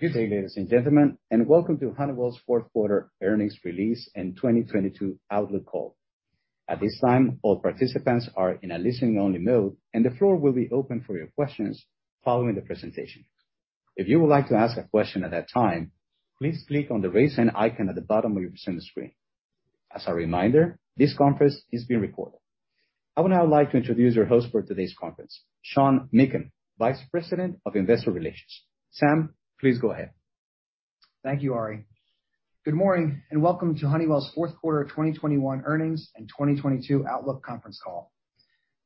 Good day, ladies and gentlemen, and welcome to Honeywell's fourth quarter earnings release and 2022 outlook call. At this time, all participants are in a listen-only mode, and the floor will be open for your questions following the presentation. If you would like to ask a question at that time, please click on the Raise Hand icon at the bottom of your screen. As a reminder, this conference is being recorded. I would now like to introduce your host for today's conference, Sean Meakim, Vice President of Investor Relations. Sean, please go ahead. Thank you, Ari. Good morning, and welcome to Honeywell's fourth quarter of 2021 earnings and 2022 outlook conference call.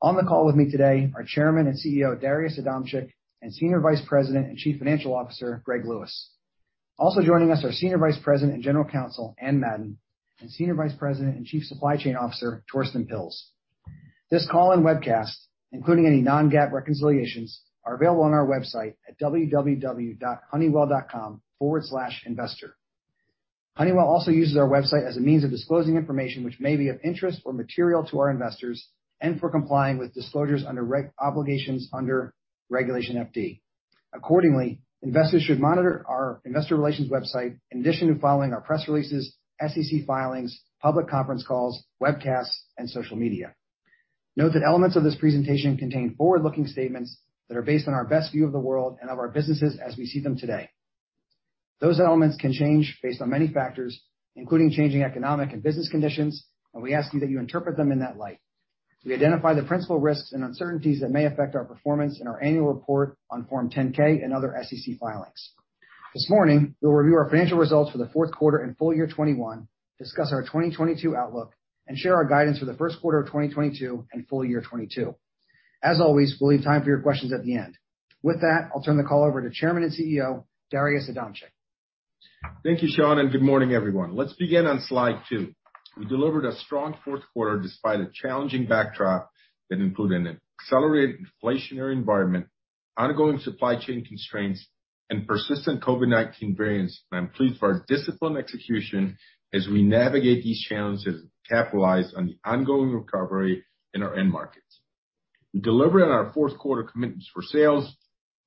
On the call with me today are Chairman and CEO, Darius Adamczyk, and Senior Vice President and Chief Financial Officer, Greg Lewis. Also joining us are Senior Vice President and General Counsel, Anne Madden, and Senior Vice President and Chief Supply Chain Officer, Torsten Pilz. This call and webcast, including any non-GAAP reconciliations, are available on our website at www.honeywell.com/investor. Honeywell also uses our website as a means of disclosing information which may be of interest or material to our investors and for complying with disclosures under regulatory obligations under Regulation FD. Accordingly, investors should monitor our investor relations website in addition to following our press releases, SEC filings, public conference calls, webcasts, and social media. Note that elements of this presentation contain forward-looking statements that are based on our best view of the world and of our businesses as we see them today. Those elements can change based on many factors, including changing economic and business conditions, and we ask you that you interpret them in that light. We identify the principal risks and uncertainties that may affect our performance in our annual report on Form 10-K and other SEC filings. This morning, we'll review our financial results for the fourth quarter and full year 2021, discuss our 2022 outlook, and share our guidance for the first quarter of 2022 and full year 2022. As always, we'll leave time for your questions at the end. With that, I'll turn the call over to Chairman and CEO, Darius Adamczyk. Thank you, Sean, and good morning, everyone. Let's begin on slide two. We delivered a strong fourth quarter despite a challenging backdrop that included an accelerated inflationary environment, ongoing supply chain constraints, and persistent COVID-19 variants. I'm pleased for our disciplined execution as we navigate these challenges and capitalize on the ongoing recovery in our end markets. We delivered on our fourth quarter commitments for sales,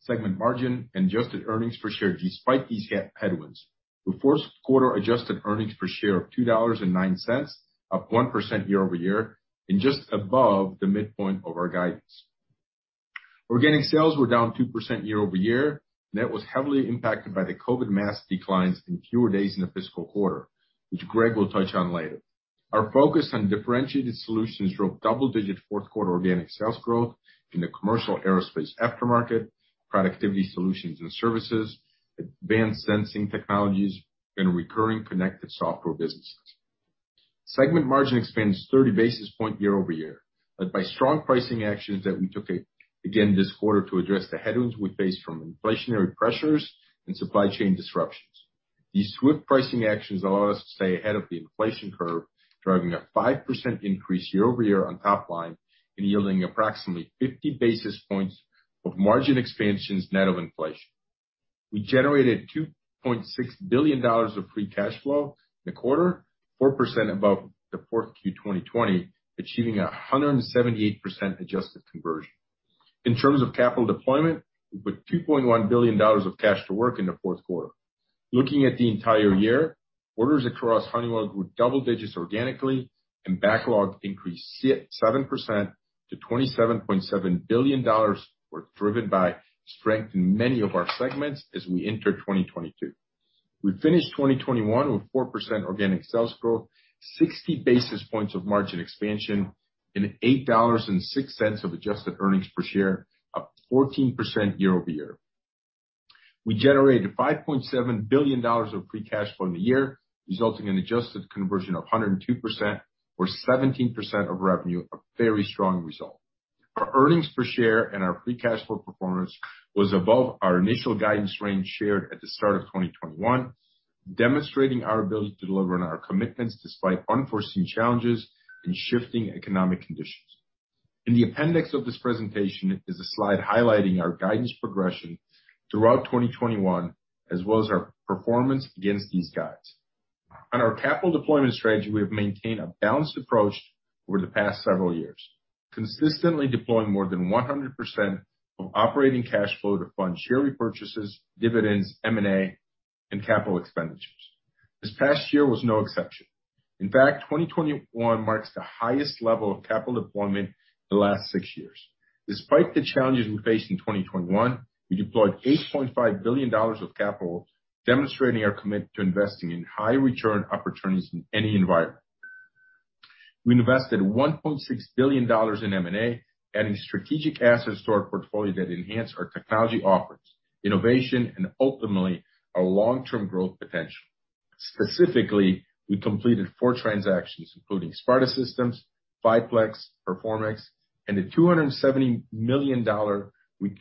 segment margin, and adjusted earnings per share despite these headwinds. The fourth quarter adjusted earnings per share of $2.09, up 1% year-over-year and just above the midpoint of our guidance. Organic sales were down 2% year-over-year. That was heavily impacted by the COVID mask declines and fewer days in the fiscal quarter, which Greg will touch on later. Our focus on differentiated solutions drove double-digit fourth quarter organic sales growth in the commercial aerospace aftermarket, productivity solutions and services, advanced sensing technologies, and recurring connected software businesses. Segment margin expands 30 basis points year-over-year, led by strong pricing actions that we took again this quarter to address the headwinds we face from inflationary pressures and supply chain disruptions. These swift pricing actions allow us to stay ahead of the inflation curve, driving a 5% increase year-over-year on top line and yielding approximately 50 basis points of margin expansion net of inflation. We generated $2.6 billion of free cash flow in the quarter, 4% above the fourth Q 2020, achieving a 178% adjusted conversion. In terms of capital deployment, we put $2.1 billion of cash to work in the fourth quarter. Looking at the entire year, orders across Honeywell grew double digits organically and backlog increased 7% to $27.7 billion, were driven by strength in many of our segments as we enter 2022. We finished 2021 with 4% organic sales growth, 60 basis points of margin expansion, and $8.06 of adjusted earnings per share, up 14% year-over-year. We generated $5.7 billion of free cash flow in the year, resulting in adjusted conversion of 102% or 17% of revenue, a very strong result. Our earnings per share and our free cash flow performance was above our initial guidance range shared at the start of 2021, demonstrating our ability to deliver on our commitments despite unforeseen challenges and shifting economic conditions. In the appendix of this presentation is a slide highlighting our guidance progression throughout 2021, as well as our performance against these guides. On our capital deployment strategy, we have maintained a balanced approach over the past several years, consistently deploying more than 100% of operating cash flow to fund share repurchases, dividends, M&A, and capital expenditures. This past year was no exception. In fact, 2021 marks the highest level of capital deployment in the last six years. Despite the challenges we faced in 2021, we deployed $8.5 billion of capital, demonstrating our commitment to investing in high return opportunities in any environment. We invested $1.6 billion in M&A, adding strategic assets to our portfolio that enhance our technology offerings, innovation, and ultimately, our long-term growth potential. Specifically, we completed four transactions, including Sparta Systems, Fiplex, Performix, and the $270 million we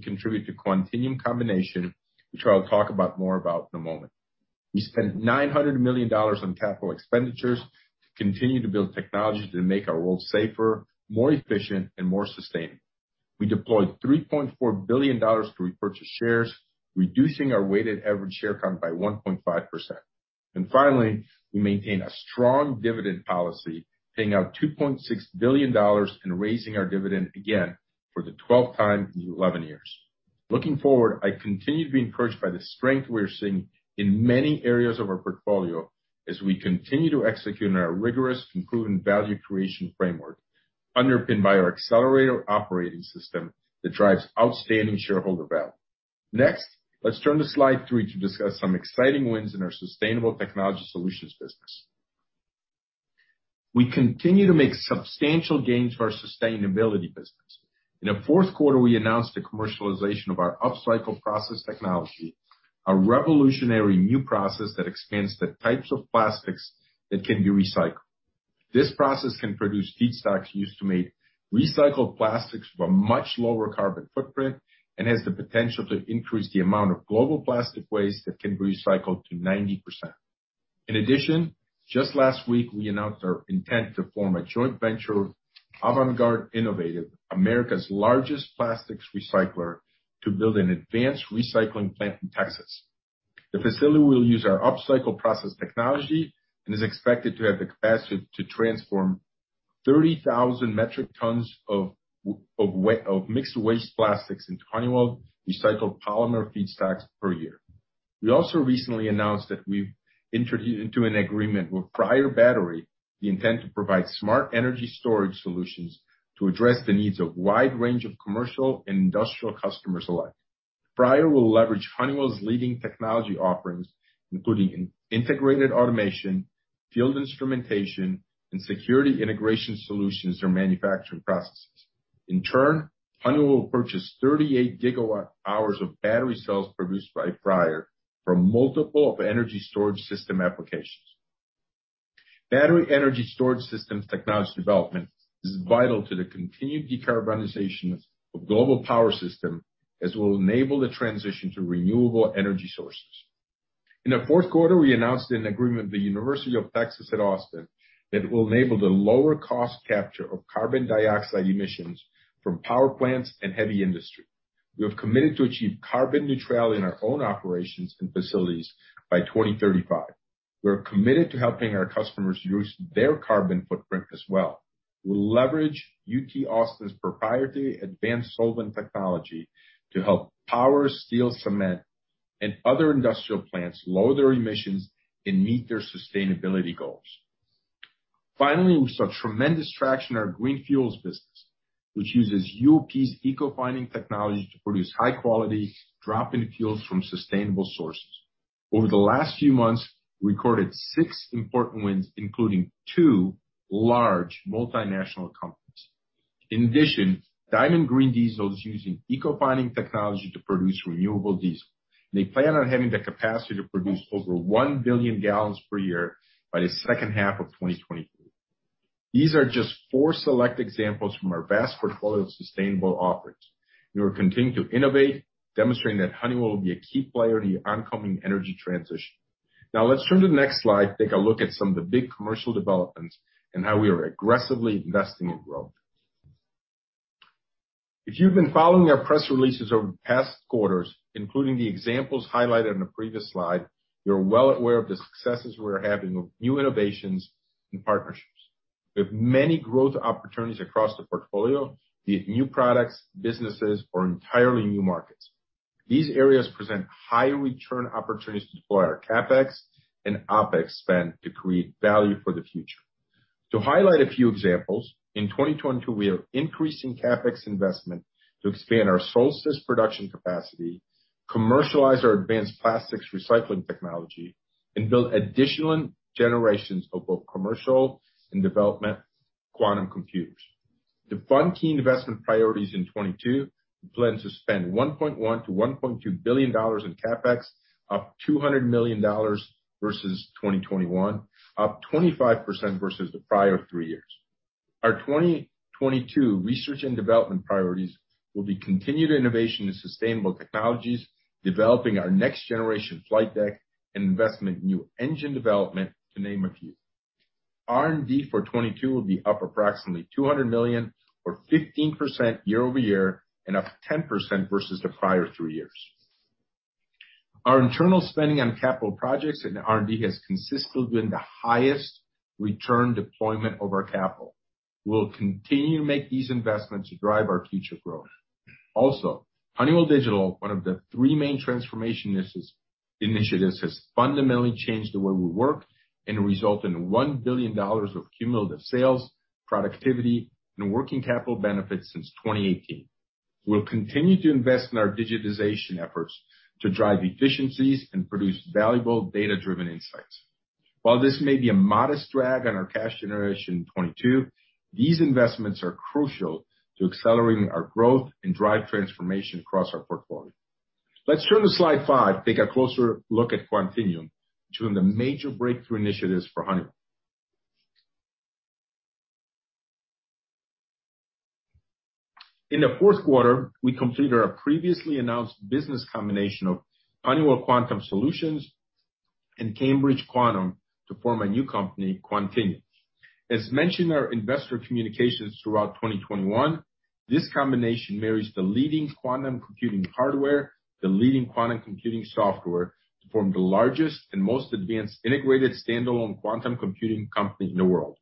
contributed to Quantinuum combination, which I'll talk about more in a moment. We spent $900 million on capital expenditures to continue to build technologies that make our world safer, more efficient, and more sustainable. We deployed $3.4 billion to repurchase shares, reducing our weighted average share count by 1.5%. Finally, we maintain a strong dividend policy, paying out $2.6 billion and raising our dividend again for the 12th time in 11 years. Looking forward, I continue to be encouraged by the strength we are seeing in many areas of our portfolio as we continue to execute on our rigorous improving value creation framework, underpinned by our Accelerator operating system that drives outstanding shareholder value. Next, let's turn to slide three to discuss some exciting wins in our sustainable technology solutions business. We continue to make substantial gains for our sustainability business. In the fourth quarter, we announced the commercialization of our UpCycle Process Technology, a revolutionary new process that expands the types of plastics that can be recycled. This process can produce feedstocks used to make recycled plastics with a much lower carbon footprint and has the potential to increase the amount of global plastic waste that can be recycled to 90%. In addition, just last week, we announced our intent to form a joint venture, Avangard Innovative, America's largest plastics recycler, to build an advanced recycling plant in Texas. The facility will use our UpCycle Process Technology and is expected to have the capacity to transform 30,000 metric tons of mixed waste plastics into Honeywell recycled polymer feedstocks per year. We also recently announced that we've entered into an agreement with FREYR Battery with the intent to provide smart energy storage solutions to address the needs of a wide range of commercial and industrial customers alike. FREYR will leverage Honeywell's leading technology offerings, including integrated automation, field instrumentation, and security integration solutions for manufacturing processes. In turn, Honeywell will purchase 38 GWh of battery cells produced by FREYR from multiple energy storage system applications. Battery energy storage systems technology development is vital to the continued decarbonization of global power systems, as it will enable the transition to renewable energy sources. In the fourth quarter, we announced an agreement with the University of Texas at Austin that will enable the lower cost capture of carbon dioxide emissions from power plants and heavy industry. We have committed to achieve carbon neutrality in our own operations and facilities by 2035. We are committed to helping our customers reduce their carbon footprint as well. We'll leverage UT Austin's proprietary advanced solvent technology to help power steel, cement, and other industrial plants lower their emissions and meet their sustainability goals. Finally, we saw tremendous traction in our green fuels business, which uses UOP's Ecofining technology to produce high-quality drop-in fuels from sustainable sources. Over the last few months, we recorded six important wins, including two large multinational companies. In addition, Diamond Green Diesel is using Ecofining technology to produce renewable diesel. They plan on having the capacity to produce over 1 billion gallons per year by the second half of 2023. These are just four select examples from our vast portfolio of sustainable offerings. We will continue to innovate, demonstrating that Honeywell will be a key player in the oncoming energy transition. Now, let's turn to the next slide, take a look at some of the big commercial developments and how we are aggressively investing in growth. If you've been following our press releases over the past quarters, including the examples highlighted on the previous slide, you're well aware of the successes we are having with new innovations and partnerships. We have many growth opportunities across the portfolio, be it new products, businesses, or entirely new markets. These areas present high return opportunities to deploy our CapEx and OpEx spend to create value for the future. To highlight a few examples, in 2022, we are increasing CapEx investment to expand our Solstice production capacity, commercialize our advanced plastics recycling technology, and build additional generations of both commercial and development quantum computers. To fund key investment priorities in 2022, we plan to spend $1.1 billion-$1.2 billion in CapEx, up $200 million versus 2021, up 25% versus the prior three years. Our 2022 research and development priorities will be continued innovation in sustainable technologies, developing our next generation flight deck, and investment in new engine development, to name a few. R&D for 2022 will be up approximately $200 million, or 15% year-over-year, and up 10% versus the prior three years. Our internal spending on capital projects and R&D has consistently been the highest return deployment of our capital. We'll continue to make these investments to drive our future growth. Honeywell Digital, one of the three main transformation initiatives, has fundamentally changed the way we work and resulted in $1 billion of cumulative sales, productivity, and working capital benefits since 2018. We'll continue to invest in our digitization efforts to drive efficiencies and produce valuable data-driven insights. While this may be a modest drag on our cash generation in 2022, these investments are crucial to accelerating our growth and drive transformation across our portfolio. Let's turn to slide five, take a closer look at Quantinuum, which is one of the major breakthrough initiatives for Honeywell. In the fourth quarter, we completed our previously announced business combination of Honeywell Quantum Solutions and Cambridge Quantum to form a new company, Quantinuum. As mentioned in our investor communications throughout 2021, this combination marries the leading quantum computing hardware, the leading quantum computing software to form the largest and most advanced integrated standalone quantum computing company in the world.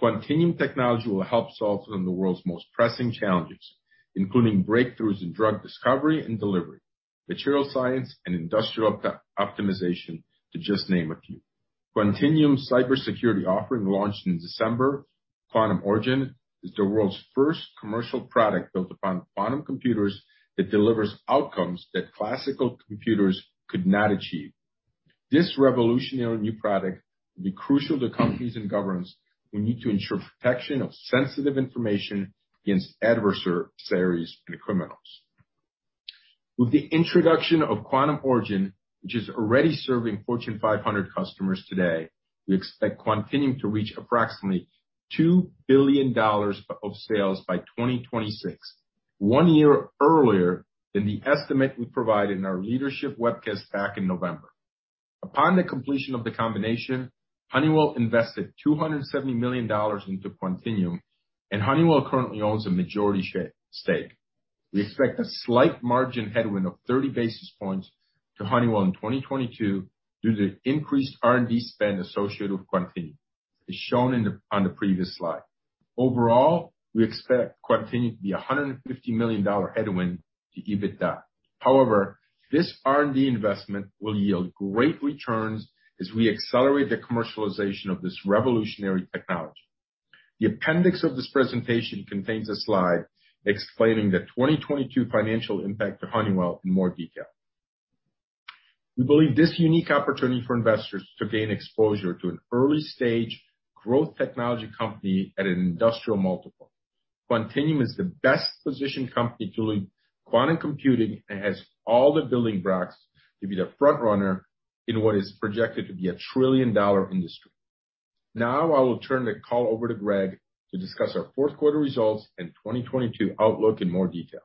Quantinuum technology will help solve some of the world's most pressing challenges, including breakthroughs in drug discovery and delivery, material science and industrial optimization to just name a few. Quantinuum cybersecurity offering launched in December. Quantum Origin is the world's first commercial product built upon quantum computers that delivers outcomes that classical computers could not achieve. This revolutionary new product will be crucial to companies and governments who need to ensure protection of sensitive information against adversaries and criminals. With the introduction of Quantum Origin, which is already serving Fortune 500 customers today, we expect Quantinuum to reach approximately $2 billion of sales by 2026, one year earlier than the estimate we provided in our leadership webcast back in November. Upon the completion of the combination, Honeywell invested $270 million into Quantinuum, and Honeywell currently owns a majority stake. We expect a slight margin headwind of 30 basis points to Honeywell in 2022 due to increased R&D spend associated with Quantinuum, as shown on the previous slide. Overall, we expect Quantinuum to be a $150 million headwind to EBITDA. However, this R&D investment will yield great returns as we accelerate the commercialization of this revolutionary technology. The appendix of this presentation contains a slide explaining the 2022 financial impact to Honeywell in more detail. We believe this unique opportunity for investors to gain exposure to an early-stage growth technology company at an industrial multiple. Quantinuum is the best-positioned company to lead quantum computing and has all the building blocks to be the front runner in what is projected to be a trillion-dollar industry. Now I will turn the call over to Greg to discuss our fourth quarter results and 2022 outlook in more detail.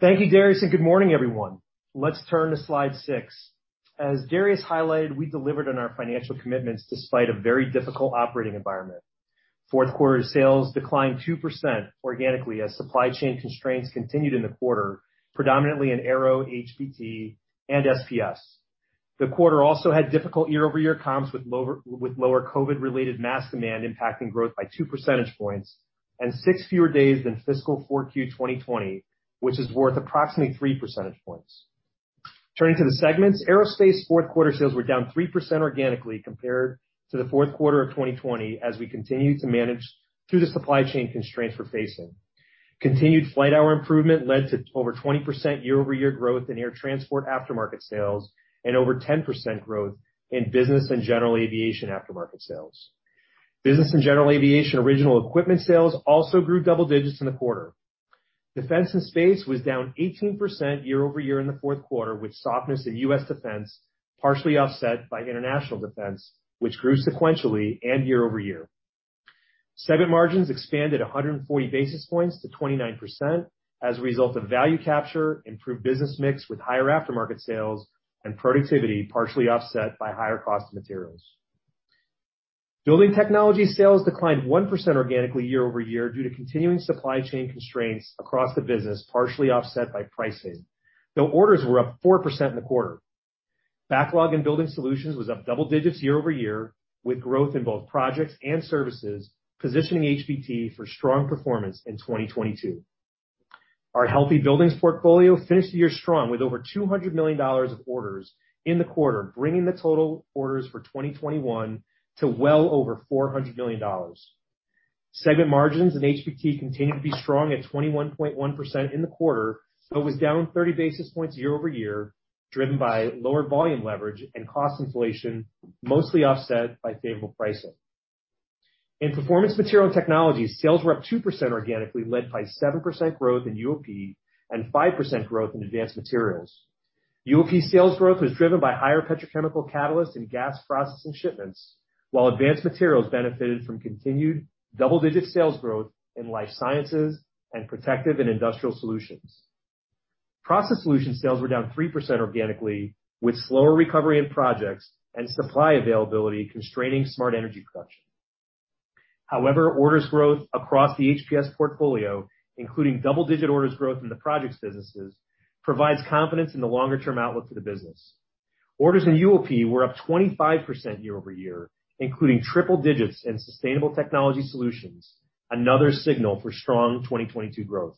Thank you, Darius, and good morning, everyone. Let's turn to slide six. As Darius highlighted, we delivered on our financial commitments despite a very difficult operating environment. Fourth quarter sales declined 2% organically as supply chain constraints continued in the quarter, predominantly in Aerospace, HBT, and SPS. The quarter also had difficult year-over-year comps with lower COVID-related mask demand impacting growth by 2 percentage points and six fewer days than fiscal 4Q 2020, which is worth approximately 3 percentage points. Turning to the segments, Aerospace fourth quarter sales were down 3% organically compared to the fourth quarter of 2020 as we continued to manage through the supply chain constraints we're facing. Continued flight hour improvement led to over 20% year-over-year growth in air transport aftermarket sales and over 10% growth in business and general aviation aftermarket sales. Business and General Aviation original equipment sales also grew double digits in the quarter. Defense and Space was down 18% year-over-year in the fourth quarter, with softness in U.S. defense partially offset by international defense, which grew sequentially and year-over-year. Segment margins expanded 140 basis points to 29% as a result of value capture, improved business mix with higher aftermarket sales and productivity partially offset by higher cost of materials. Building Technologies sales declined 1% organically year-over-year due to continuing supply chain constraints across the business, partially offset by pricing, though orders were up 4% in the quarter. Backlog and building solutions was up double digits year-over-year, with growth in both projects and services, positioning HBT for strong performance in 2022. Our Healthy Buildings portfolio finished the year strong with over $200 million of orders in the quarter, bringing the total orders for 2021 to well over $400 million. Segment margins in HBT continued to be strong at 21.1% in the quarter, but was down 30 basis points year-over-year, driven by lower volume leverage and cost inflation, mostly offset by favorable pricing. In Performance Materials and Technologies, sales were up 2% organically, led by 7% growth in UOP and 5% growth in Advanced Materials. UOP sales growth was driven by higher petrochemical catalysts and gas processing shipments while Advanced Materials benefited from continued double-digit sales growth in life sciences and protective and industrial solutions. Process Solutions sales were down 3% organically, with slower recovery in projects and supply availability constraining smart energy production. However, orders growth across the HPS portfolio, including double-digit orders growth in the projects businesses, provides confidence in the longer-term outlook for the business. Orders in UOP were up 25% year-over-year, including triple-digit in sustainable technology solutions, another signal for strong 2022 growth.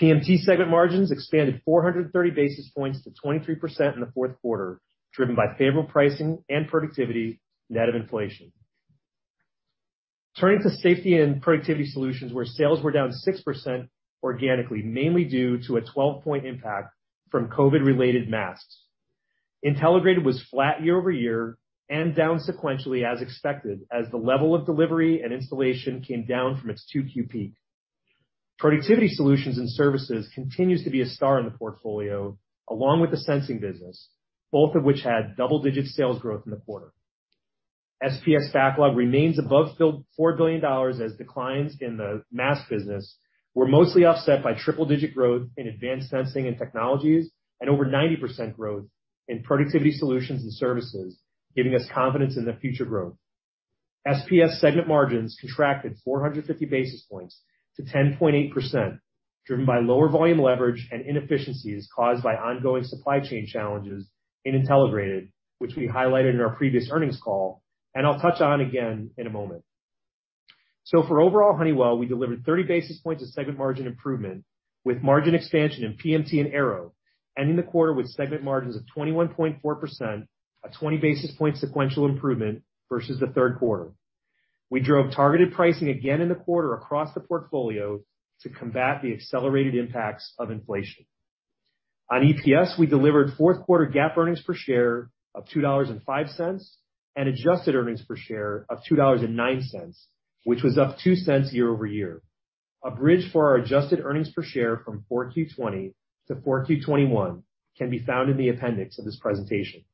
PMT segment margins expanded 430 basis points to 23% in the fourth quarter, driven by favorable pricing and productivity, net of inflation. Turning to Safety and Productivity Solutions, where sales were down 6% organically, mainly due to a 12-point impact from COVID-related masks. Intelligrated was flat year-over-year and down sequentially as expected as the level of delivery and installation came down from its 2Q peak. Productivity Solutions and Services continues to be a star in the portfolio, along with the sensing business, both of which had double-digit sales growth in the quarter. SPS backlog remains above $4 billion as declines in the mask business were mostly offset by triple-digit growth in advanced sensing and technologies and over 90% growth in productivity solutions and services, giving us confidence in the future growth. SPS segment margins contracted 450 basis points to 10.8%, driven by lower volume leverage and inefficiencies caused by ongoing supply chain challenges in Intelligrated, which we highlighted in our previous earnings call, and I'll touch on again in a moment. For overall Honeywell, we delivered 30 basis points of segment margin improvement, with margin expansion in PMT and Aerospace, ending the quarter with segment margins of 21.4%, a 20 basis point sequential improvement versus the third quarter. We drove targeted pricing again in the quarter across the portfolio to combat the accelerated impacts of inflation. On EPS, we delivered fourth quarter GAAP earnings per share of $2.05, and adjusted earnings per share of $2.09, which was up $0.02 Year-over-year. A bridge for our adjusted earnings per share from 4Q 2020 to 4Q 2021 can be found in the appendix of this presentation.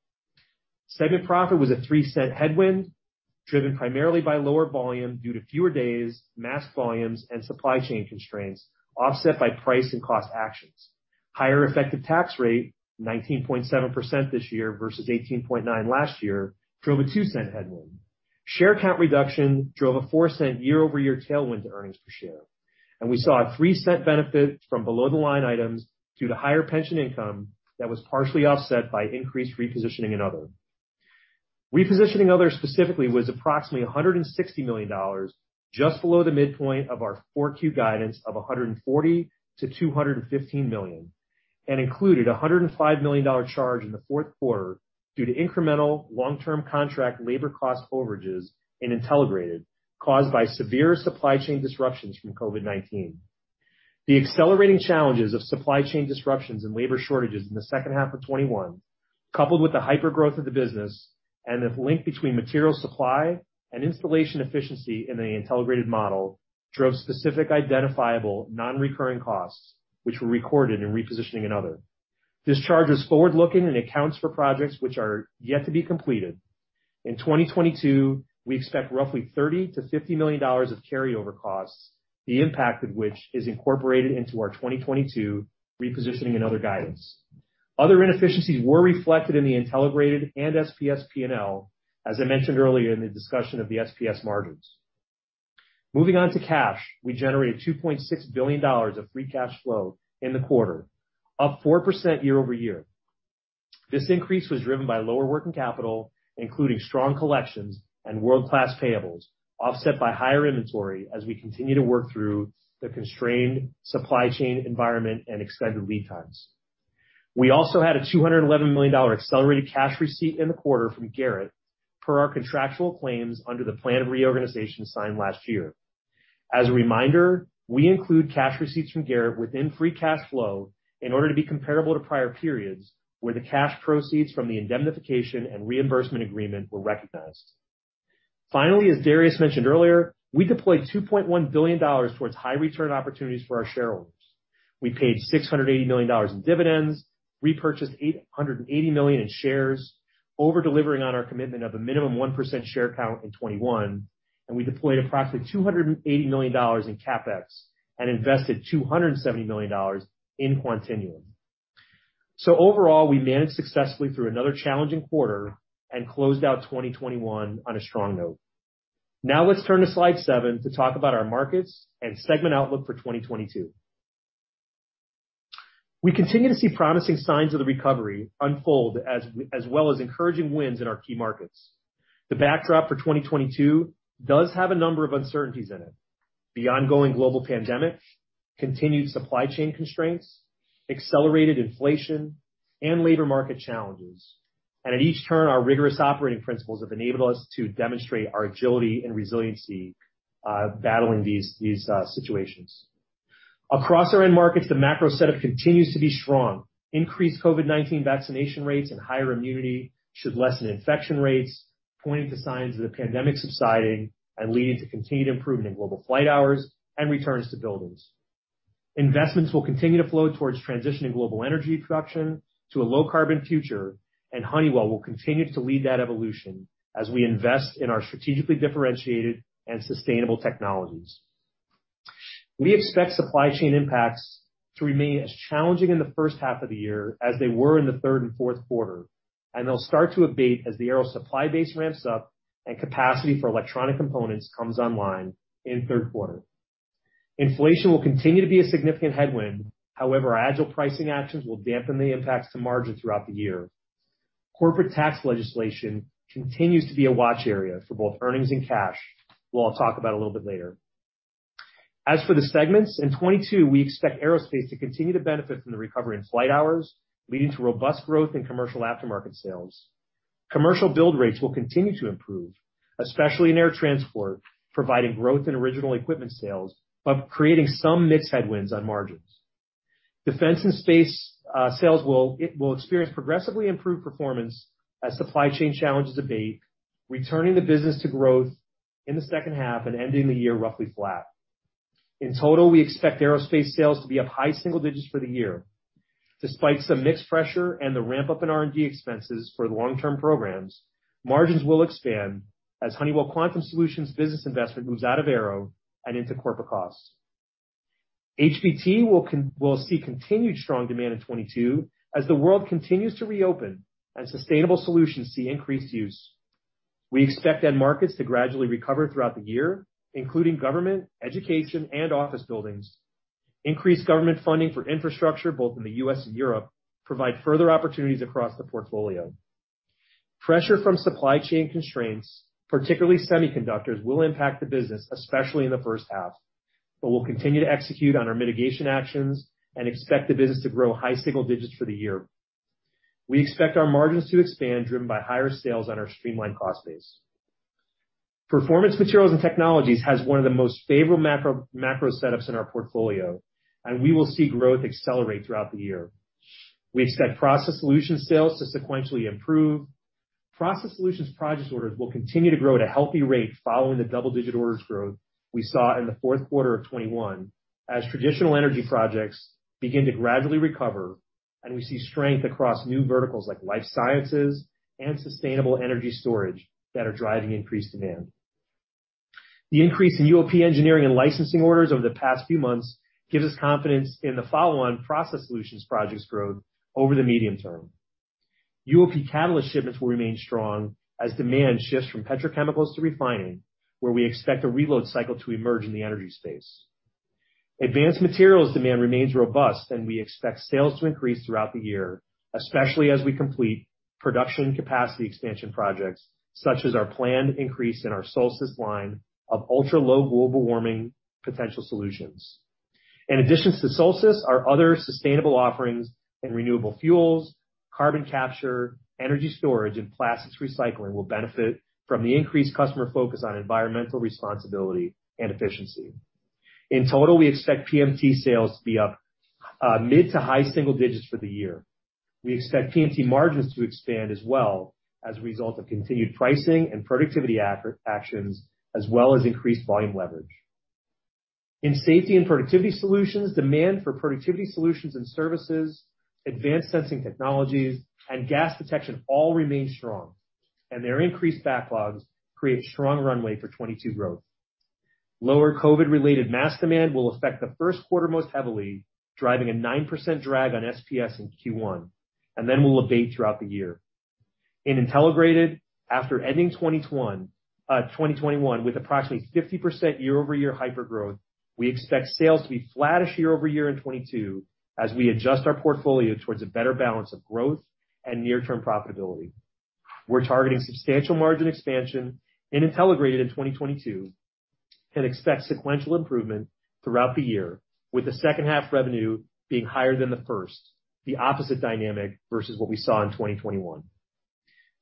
Segment profit was a $0.03 Headwind, driven primarily by lower volume due to fewer days, mask volumes, and supply chain constraints, offset by price and cost actions. Higher effective tax rate, 19.7% this year versus 18.9% last year, drove a $0.02 Headwind. Share count reduction drove a $0.04 year-over-year tailwind to earnings per share. We saw a $0.03 Benefit from below-the-line items due to higher pension income that was partially offset by increased repositioning in other. Repositioning in other specifically was approximately $160 million, just below the midpoint of our 4Q guidance of $140 million-$215 million, and included a $105 million charge in the fourth quarter due to incremental long-term contract labor cost overages in Intelligrated, caused by severe supply chain disruptions from COVID-19. The accelerating challenges of supply chain disruptions and labor shortages in the second half of 2021, coupled with the hyper growth of the business and the link between material supply and installation efficiency in the Intelligrated model, drove specific identifiable non-recurring costs, which were recorded in repositioning and other. This charge is forward-looking and accounts for projects which are yet to be completed. In 2022, we expect roughly $30 million-$50 million of carryover costs, the impact of which is incorporated into our 2022 repositioning in other guidance. Other inefficiencies were reflected in the Intelligrated and SPS P&L, as I mentioned earlier in the discussion of the SPS margins. Moving on to cash, we generated $2.6 billion of free cash flow in the quarter, up 4% year-over-year. This increase was driven by lower working capital, including strong collections and world-class payables, offset by higher inventory as we continue to work through the constrained supply chain environment and extended lead times. We also had a $211 million accelerated cash receipt in the quarter from Garrett per our contractual claims under the plan of reorganization signed last year. As a reminder, we include cash receipts from Garrett within free cash flow in order to be comparable to prior periods, where the cash proceeds from the indemnification and reimbursement agreement were recognized. Finally, as Darius mentioned earlier, we deployed $2.1 billion towards high return opportunities for our shareholders. We paid $680 million in dividends, repurchased $880 million in shares, over-delivering on our commitment of a minimum 1% share count in 2021, and we deployed approximately $280 million in CapEx and invested $270 million in Quantinuum. Overall, we managed successfully through another challenging quarter and closed out 2021 on a strong note. Now let's turn to slide seven to talk about our markets and segment outlook for 2022. We continue to see promising signs of the recovery unfold as well as encouraging wins in our key markets. The backdrop for 2022 does have a number of uncertainties in it, the ongoing global pandemic, continued supply chain constraints, accelerated inflation, and labor market challenges. At each turn, our rigorous operating principles have enabled us to demonstrate our agility and resiliency, battling these situations. Across our end markets, the macro setup continues to be strong. Increased COVID-19 vaccination rates and higher immunity should lessen infection rates, pointing to signs of the pandemic subsiding and leading to continued improvement in global flight hours and returns to buildings. Investments will continue to flow towards transitioning global energy production to a low carbon future, and Honeywell will continue to lead that evolution as we invest in our strategically differentiated and sustainable technologies. We expect supply chain impacts to remain as challenging in the first half of the year as they were in the third and fourth quarter, and they'll start to abate as the Aero supply base ramps up and capacity for electronic components comes online in third quarter. Inflation will continue to be a significant headwind. However, our agile pricing actions will dampen the impacts to margin throughout the year. Corporate tax legislation continues to be a watch area for both earnings and cash, which I'll talk about a little bit later. As for the segments, in 2022, we expect Aerospace to continue to benefit from the recovery in flight hours, leading to robust growth in commercial aftermarket sales. Commercial build rates will continue to improve, especially in air transport, providing growth in original equipment sales, but creating some mix headwinds on margins. Defense and Space sales will experience progressively improved performance as supply chain challenges abate, returning the business to growth in the second half and ending the year roughly flat. In total, we expect Aerospace sales to be up high single digits for the year. Despite some mixed pressure and the ramp-up in R&D expenses for the long-term programs, margins will expand as Honeywell Quantum Solutions business investment moves out of Aerospace and into corporate costs. HBT will see continued strong demand in 2022 as the world continues to reopen and sustainable solutions see increased use. We expect end markets to gradually recover throughout the year, including government, education, and office buildings. Increased government funding for infrastructure, both in the U.S. and Europe, provide further opportunities across the portfolio. Pressure from supply chain constraints, particularly semiconductors, will impact the business, especially in the first half, but we'll continue to execute on our mitigation actions and expect the business to grow high single digits for the year. We expect our margins to expand, driven by higher sales on our streamlined cost base. Performance Materials and Technologies has one of the most favorable macro setups in our portfolio, and we will see growth accelerate throughout the year. We expect process solutions sales to sequentially improve. Process solutions projects orders will continue to grow at a healthy rate following the double-digit orders growth we saw in the fourth quarter of 2021, as traditional energy projects begin to gradually recover and we see strength across new verticals like life sciences and sustainable energy storage that are driving increased demand. The increase in UOP engineering and licensing orders over the past few months gives us confidence in the follow-on process solutions projects growth over the medium term. UOP catalyst shipments will remain strong as demand shifts from petrochemicals to refining, where we expect a reload cycle to emerge in the energy space. Advanced materials demand remains robust, and we expect sales to increase throughout the year, especially as we complete production capacity expansion projects, such as our planned increase in our Solstice line of ultra-low global warming potential solutions. In addition to Solstice, our other sustainable offerings in renewable fuels, carbon capture, energy storage, and plastics recycling will benefit from the increased customer focus on environmental responsibility and efficiency. In total, we expect PMT sales to be up mid- to high-single-digit% for the year. We expect PMT margins to expand as well as a result of continued pricing and productivity actions, as well as increased volume leverage. In Safety and Productivity Solutions, demand for productivity solutions and services, advanced sensing technologies, and gas detection all remain strong, and their increased backlogs create strong runway for 2022 growth. Lower COVID-related mask demand will affect the first quarter most heavily, driving a 9% drag on SPS in Q1, and then will abate throughout the year. In Intelligrated, after ending 2021 with approximately 50% year-over-year hypergrowth, we expect sales to be flattish year over year in 2022, as we adjust our portfolio towards a better balance of growth and near-term profitability. We're targeting substantial margin expansion in Intelligrated in 2022 and expect sequential improvement throughout the year, with the second half revenue being higher than the first, the opposite dynamic versus what we saw in 2021.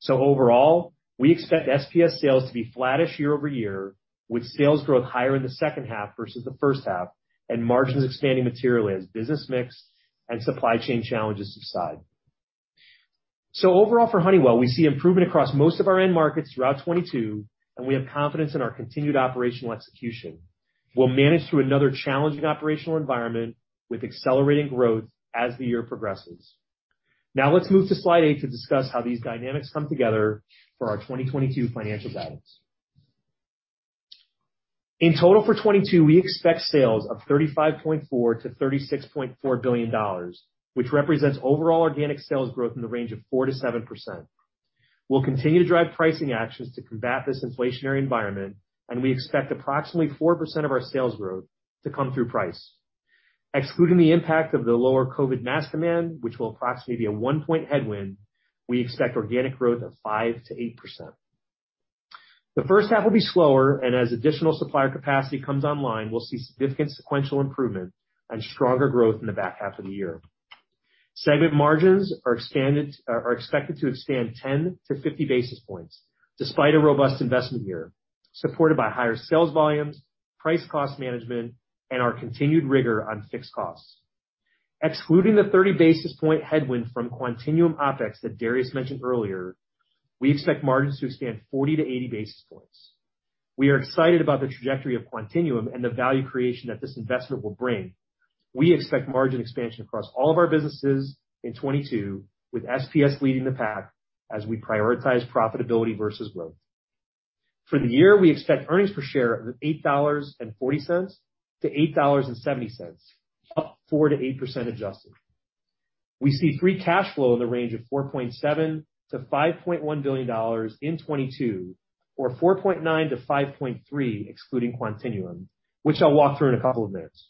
Overall, we expect SPS sales to be flattish year over year, with sales growth higher in the second half versus the first half, and margins expanding materially as business mix and supply chain challenges subside. Overall for Honeywell, we see improvement across most of our end markets throughout 2022, and we have confidence in our continued operational execution. We'll manage through another challenging operational environment with accelerating growth as the year progresses. Now let's move to slide eight to discuss how these dynamics come together for our 2022 financial guidance. In total for 2022, we expect sales of $35.4 billion-$36.4 billion, which represents overall organic sales growth in the range of 4%-7%. We'll continue to drive pricing actions to combat this inflationary environment, and we expect approximately 4% of our sales growth to come through price. Excluding the impact of the lower COVID mask demand, which will approximately be a 1-point headwind, we expect organic growth of 5%-8%. The first half will be slower, and as additional supplier capacity comes online, we'll see significant sequential improvement and stronger growth in the back half of the year. Segment margins are expected to expand 10-50 basis points, despite a robust investment year, supported by higher sales volumes, price cost management, and our continued rigor on fixed costs. Excluding the 30 basis point headwind from Quantinuum OpEx that Darius mentioned earlier, we expect margins to expand 40-80 basis points. We are excited about the trajectory of Quantinuum and the value creation that this investment will bring. We expect margin expansion across all of our businesses in 2022, with SPS leading the pack as we prioritize profitability versus growth. For the year, we expect earnings per share of $8.40-$8.70, up 4%-8% adjusted. We see free cash flow in the range of $4.7 billion-$5.1 billion in 2022, or $4.9 billion-$5.3 billion excluding Quantinuum, which I'll walk through in a couple of minutes.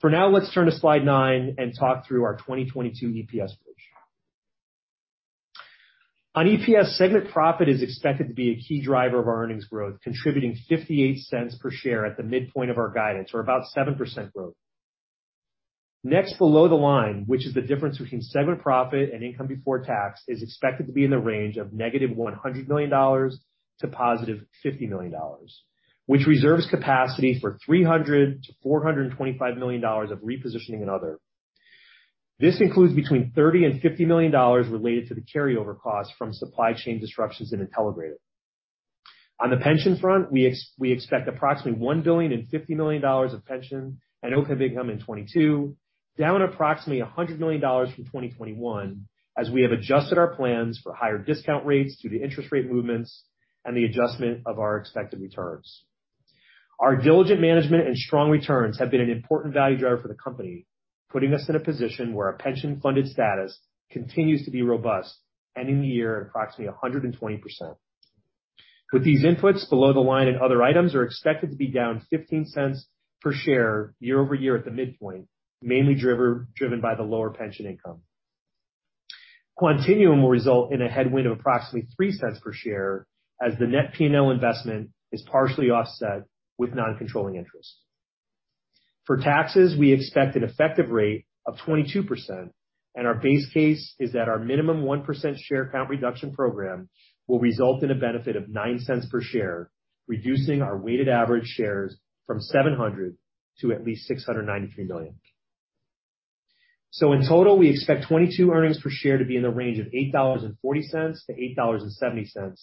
For now, let's turn to slide nine and talk through our 2022 EPS approach. On EPS, segment profit is expected to be a key driver of our earnings growth, contributing $0.58 per share at the midpoint of our guidance, or about 7% growth. Next, below the line, which is the difference between segment profit and income before tax, is expected to be in the range of -$100 million to +$50 million, which reserves capacity for $300 million-$425 million of repositioning and other. This includes between $30 million and $50 million related to the carryover cost from supply chain disruptions in Intelligrated. On the pension front, we expect approximately $1.05 billion of pension and OPEB income in 2022, down approximately $100 million from 2021, as we have adjusted our plans for higher discount rates due to interest rate movements and the adjustment of our expected returns. Our diligent management and strong returns have been an important value driver for the company, putting us in a position where our pension-funded status continues to be robust, ending the year at approximately 120%. With these inputs below the line and other items are expected to be down $0.15 per share year-over-year at the midpoint, mainly driven by the lower pension income. Quantinuum will result in a headwind of approximately $0.03 per share, as the net P&L investment is partially offset with non-controlling interest. For taxes, we expect an effective rate of 22%, and our base case is that our minimum 1% share count reduction program will result in a benefit of $0.09 per share, reducing our weighted average shares from 700 to at least 693 million. In total, we expect 2022 earnings per share to be in the range of $8.40-$8.70,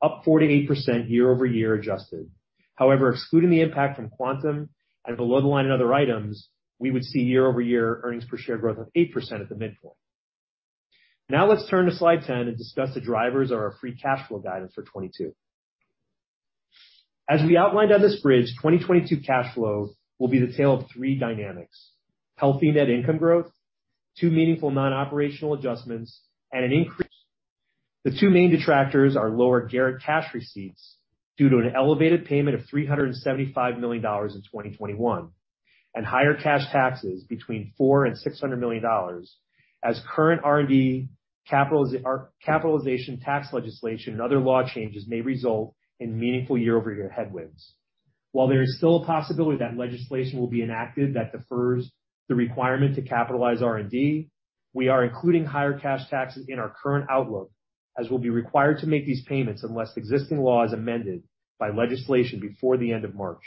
up 48% year-over-year adjusted. However, excluding the impact from Quantum and below the line and other items, we would see year-over-year earnings per share growth of 8% at the midpoint. Now let's turn to slide 10 and discuss the drivers of our free cash flow guidance for 2022. As we outlined on this bridge, 2022 cash flow will be the tale of three dynamics: healthy net income growth, two meaningful non-operational adjustments, and an increase. The two main detractors are lower Garrett cash receipts due to an elevated payment of $375 million in 2021, and higher cash taxes between $400 million and $600 million, as current R&D capitalization tax legislation and other law changes may result in meaningful year-over-year headwinds. While there is still a possibility that legislation will be enacted that defers the requirement to capitalize R&D, we are including higher cash taxes in our current outlook, as we'll be required to make these payments unless existing law is amended by legislation before the end of March.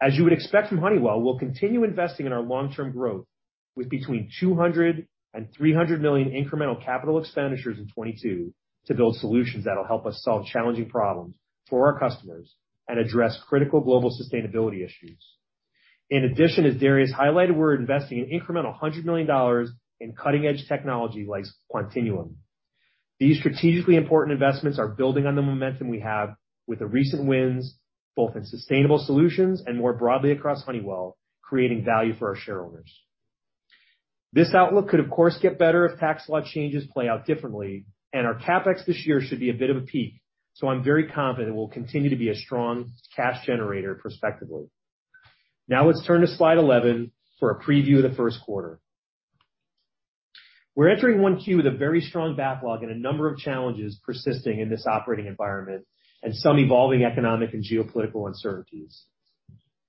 As you would expect from Honeywell, we'll continue investing in our long-term growth with between $200 million and $300 million incremental capital expenditures in 2022 to build solutions that'll help us solve challenging problems for our customers and address critical global sustainability issues. In addition, as Darius highlighted, we're investing an incremental $100 million in cutting-edge technology like Quantinuum. These strategically important investments are building on the momentum we have with the recent wins, both in Sustainable Solutions and more broadly across Honeywell, creating value for our shareholders. This outlook could of course get better if tax law changes play out differently, and our CapEx this year should be a bit of a peak, so I'm very confident it will continue to be a strong cash generator prospectively. Now let's turn to slide 11 for a preview of the first quarter. We're entering Q1 with a very strong backlog and a number of challenges persisting in this operating environment and some evolving economic and geopolitical uncertainties.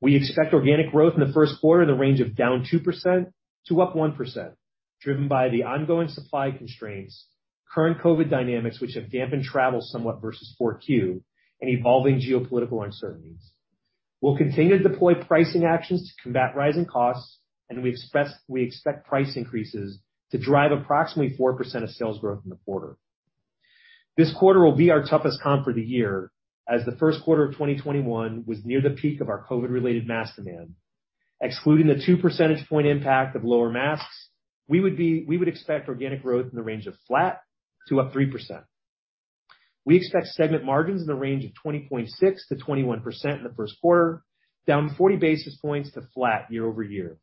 We expect organic growth in the first quarter in the range of down 2% to up 1%, driven by the ongoing supply constraints, current COVID dynamics which have dampened travel somewhat versus Q4, and evolving geopolitical uncertainties. We'll continue to deploy pricing actions to combat rising costs, and we expect price increases to drive approximately 4% of sales growth in the quarter. This quarter will be our toughest comp for the year as the first quarter of 2021 was near the peak of our COVID-related mask demand. Excluding the two percentage point impact of lower masks, we would expect organic growth in the range of flat to up 3%. We expect segment margins in the range of 20.6%-21% in the first quarter, down 40 basis points to flat year-over-year.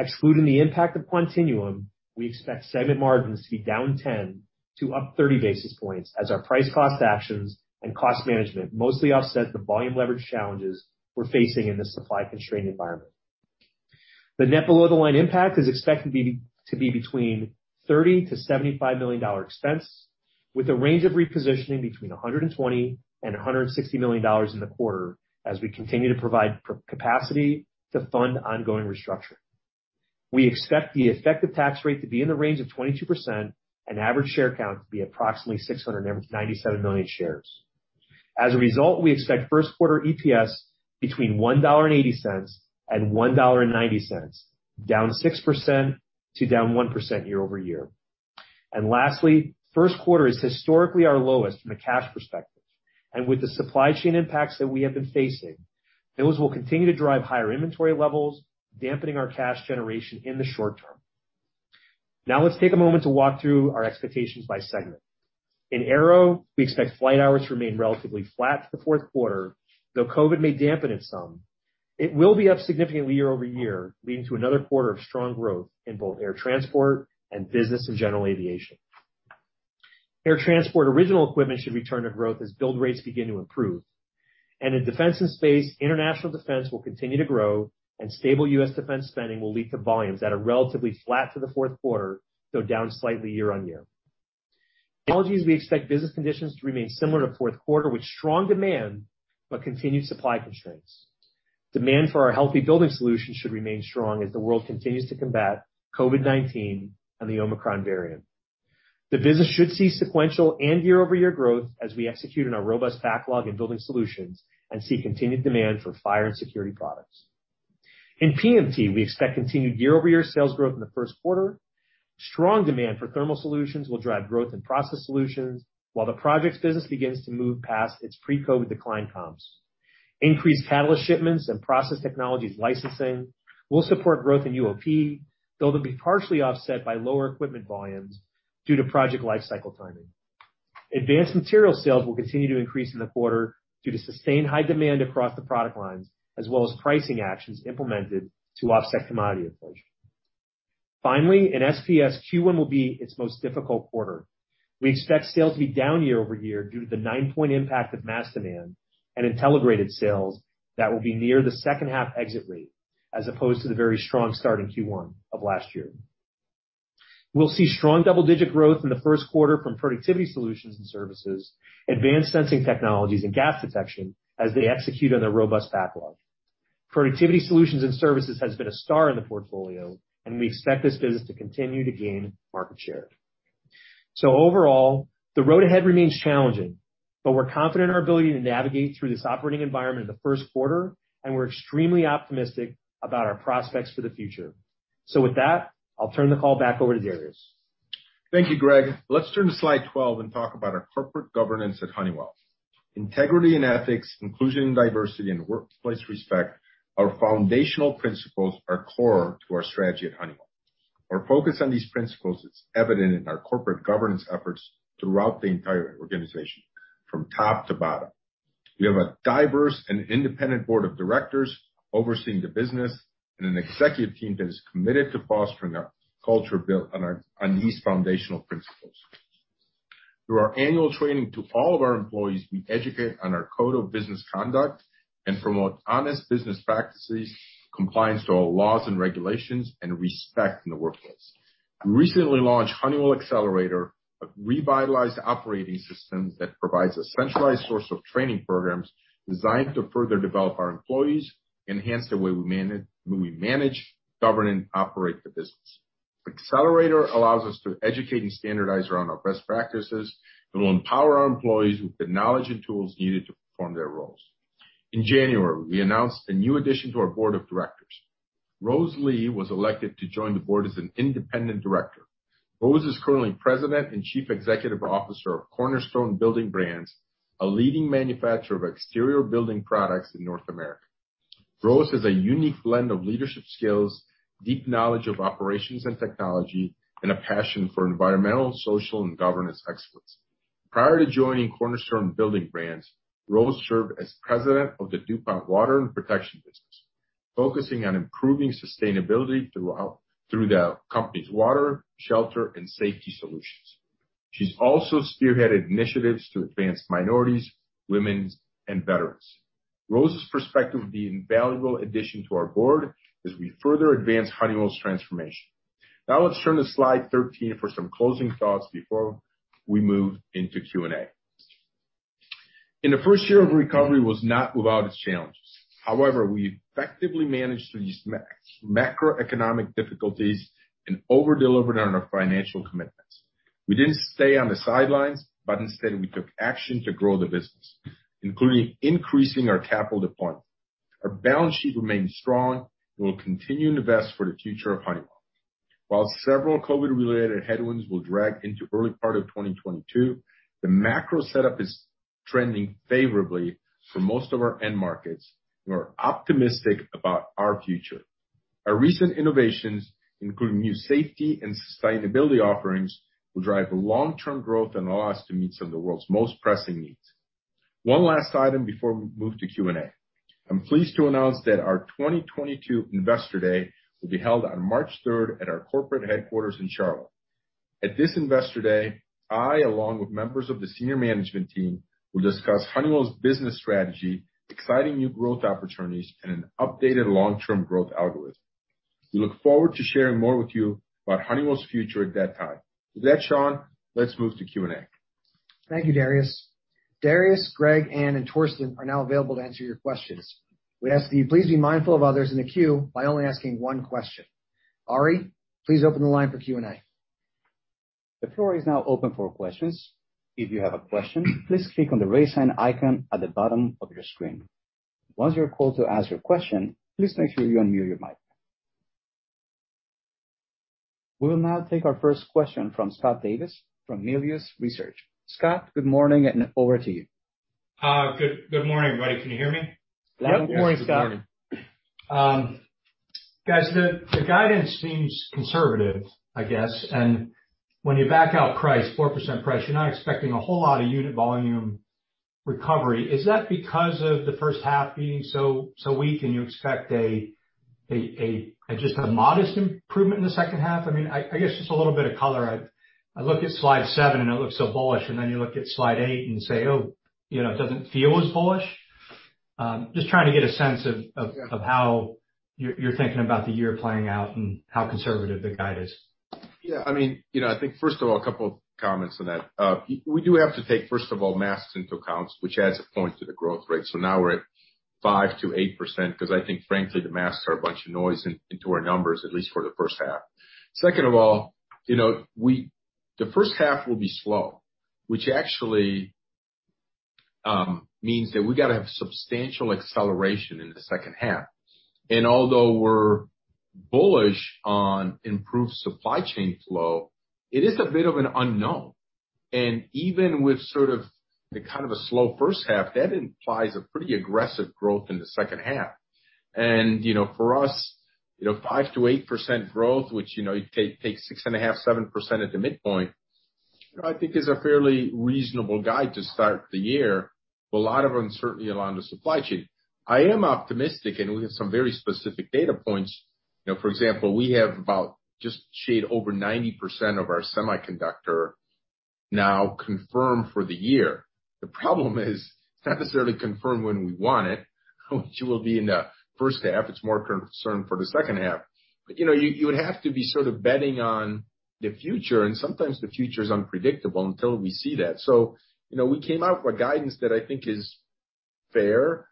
Excluding the impact of Quantinuum, we expect segment margins to be down 10 to up 30 basis points as our price cost actions and cost management mostly offset the volume leverage challenges we're facing in this supply-constrained environment. The net below-the-line impact is expected to be between $30 million-$75 million expense, with a range of repositioning between $120 million-$160 million in the quarter as we continue to provide capacity to fund ongoing restructuring. We expect the effective tax rate to be in the range of 22% and average share count to be approximately 697 million shares. As a result, we expect first quarter EPS between $1.80 and $1.90, down 6% to down 1% year-over-year. Lastly, first quarter is historically our lowest from a cash perspective. With the supply chain impacts that we have been facing, those will continue to drive higher inventory levels, dampening our cash generation in the short term. Now let's take a moment to walk through our expectations by segment. In Aerospace, we expect flight hours to remain relatively flat to the fourth quarter. Though COVID may dampen it some, it will be up significantly year-over-year, leading to another quarter of strong growth in both air transport and business and general aviation. Air transport original equipment should return to growth as build rates begin to improve. In Defense and Space, international defense will continue to grow, and stable U.S. Defense spending will lead to volumes that are relatively flat to the fourth quarter, though down slightly year-over-year. In Building Technologies, we expect business conditions to remain similar to fourth quarter, with strong demand but continued supply constraints. Demand for our Healthy Buildings solutions should remain strong as the world continues to combat COVID-19 and the Omicron variant. The business should see sequential and year-over-year growth as we execute on our robust backlog in building solutions and see continued demand for fire and security products. In PMT, we expect continued year-over-year sales growth in the first quarter. Strong demand for thermal solutions will drive growth in process solutions while the projects business begins to move past its pre-COVID decline comps. Increased catalyst shipments and process technologies licensing will support growth in UOP, though they'll be partially offset by lower equipment volumes due to project life cycle timing. Advanced material sales will continue to increase in the quarter due to sustained high demand across the product lines as well as pricing actions implemented to offset commodity inflation. Finally, in SPS, Q1 will be its most difficult quarter. We expect sales to be down year-over-year due to the 9-point impact of mask demand and Intelligrated sales that will be near the second half exit rate as opposed to the very strong start in Q1 of last year. We'll see strong double-digit growth in the first quarter from productivity solutions and services, advanced sensing technologies, and gas detection as they execute on their robust backlog. Productivity solutions and services has been a star in the portfolio, and we expect this business to continue to gain market share. Overall, the road ahead remains challenging, but we're confident in our ability to navigate through this operating environment in the first quarter, and we're extremely optimistic about our prospects for the future. With that, I'll turn the call back over to Darius. Thank you, Greg. Let's turn to slide 12 and talk about our corporate governance at Honeywell. Integrity and ethics, inclusion and diversity, and workplace respect are foundational principles core to our strategy at Honeywell. Our focus on these principles is evident in our corporate governance efforts throughout the entire organization from top to bottom. We have a diverse and independent board of directors overseeing the business and an executive team that is committed to fostering a culture built on these foundational principles. Through our annual training to all of our employees, we educate on our code of business conduct and promote honest business practices, compliance to all laws and regulations, and respect in the workplace. We recently launched Honeywell Accelerator, a revitalized operating system that provides a centralized source of training programs designed to further develop our employees, enhance the way we manage, govern, and operate the business. Accelerator allows us to educate and standardize around our best practices and will empower our employees with the knowledge and tools needed to perform their roles. In January, we announced a new addition to our board of directors. Rose Lee was elected to join the board as an independent director. Rose is currently President and Chief Executive Officer of Cornerstone Building Brands, a leading manufacturer of exterior building products in North America. Rose has a unique blend of leadership skills, deep knowledge of operations and technology, and a passion for environmental, social, and governance excellence. Prior to joining Cornerstone Building Brands, Rose served as president of the DuPont Water & Protection business, focusing on improving sustainability through the company's water, shelter, and safety solutions. She's also spearheaded initiatives to advance minorities, women's, and veterans. Rose's perspective will be an invaluable addition to our board as we further advance Honeywell's transformation. Now let's turn to slide 13 for some closing thoughts before we move into Q&A. The first year of recovery was not without its challenges. However, we effectively managed through these macroeconomic difficulties and over-delivered on our financial commitments. We didn't stay on the sidelines, but instead, we took action to grow the business, including increasing our capital deployment. Our balance sheet remains strong and will continue to invest for the future of Honeywell. While several COVID-related headwinds will drag into early part of 2022, the macro setup is trending favorably for most of our end markets. We are optimistic about our future. Our recent innovations, including new safety and sustainability offerings, will drive long-term growth and allow us to meet some of the world's most pressing needs. One last item before we move to Q&A. I'm pleased to announce that our 2022 Investor Day will be held on March 3 at our corporate headquarters in Charlotte. At this Investor Day, I, along with members of the senior management team, will discuss Honeywell's business strategy, exciting new growth opportunities, and an updated long-term growth algorithm. We look forward to sharing more with you about Honeywell's future at that time. With that, Sean, let's move to Q&A. Thank you, Darius. Darius, Greg, Anne, and Torsten are now available to answer your questions. We ask that you please be mindful of others in the queue by only asking one question. Ari, please open the line for Q&A. The floor is now open for questions. If you have a question, please click on the Raise Hand icon at the bottom of your screen. Once you're called to ask your question, please make sure you unmute your mic. We'll now take our first question from Scott Davis from Melius Research. Scott, good morning, and over to you. Good morning, everybody. Can you hear me? Loud and clear. Yes. Good morning. Good morning, Scott. Guys, the guidance seems conservative, I guess, and when you back out price, 4% price, you're not expecting a whole lot of unit volume recovery. Is that because of the first half being so weak and you expect just a modest improvement in the second half? I mean, I guess just a little bit of color. I look at slide seven, and it looks so bullish, and then you look at slide eight and say, "Oh, you know, it doesn't feel as bullish." Just trying to get a sense of how you're thinking about the year playing out and how conservative the guide is. Yeah, I mean, you know, I think first of all, a couple of comments on that. We do have to take, first of all, masks into account, which adds a point to the growth rate. So now we're at 5%-8% because I think frankly, the masks are a bunch of noise into our numbers, at least for the first half. Second of all, you know, the first half will be slow, which actually means that we gotta have substantial acceleration in the second half. Although we're bullish on improved supply chain flow, it is a bit of an unknown. Even with sort of the kind of a slow first half, that implies a pretty aggressive growth in the second half. You know, for us, you know, 5%-8% growth, which, you know, take 6.5-7% at the midpoint, you know, I think is a fairly reasonable guide to start the year with a lot of uncertainty along the supply chain. I am optimistic, and we have some very specific data points. You know, for example, we have about just a shade over 90% of our semiconductor now confirmed for the year. The problem is it's not necessarily confirmed when we want it, which will be in the first half. It's more confirmed for the second half. You know, you would have to be sort of betting on the future, and sometimes the future is unpredictable until we see that. You know, we came out with guidance that I think is fair.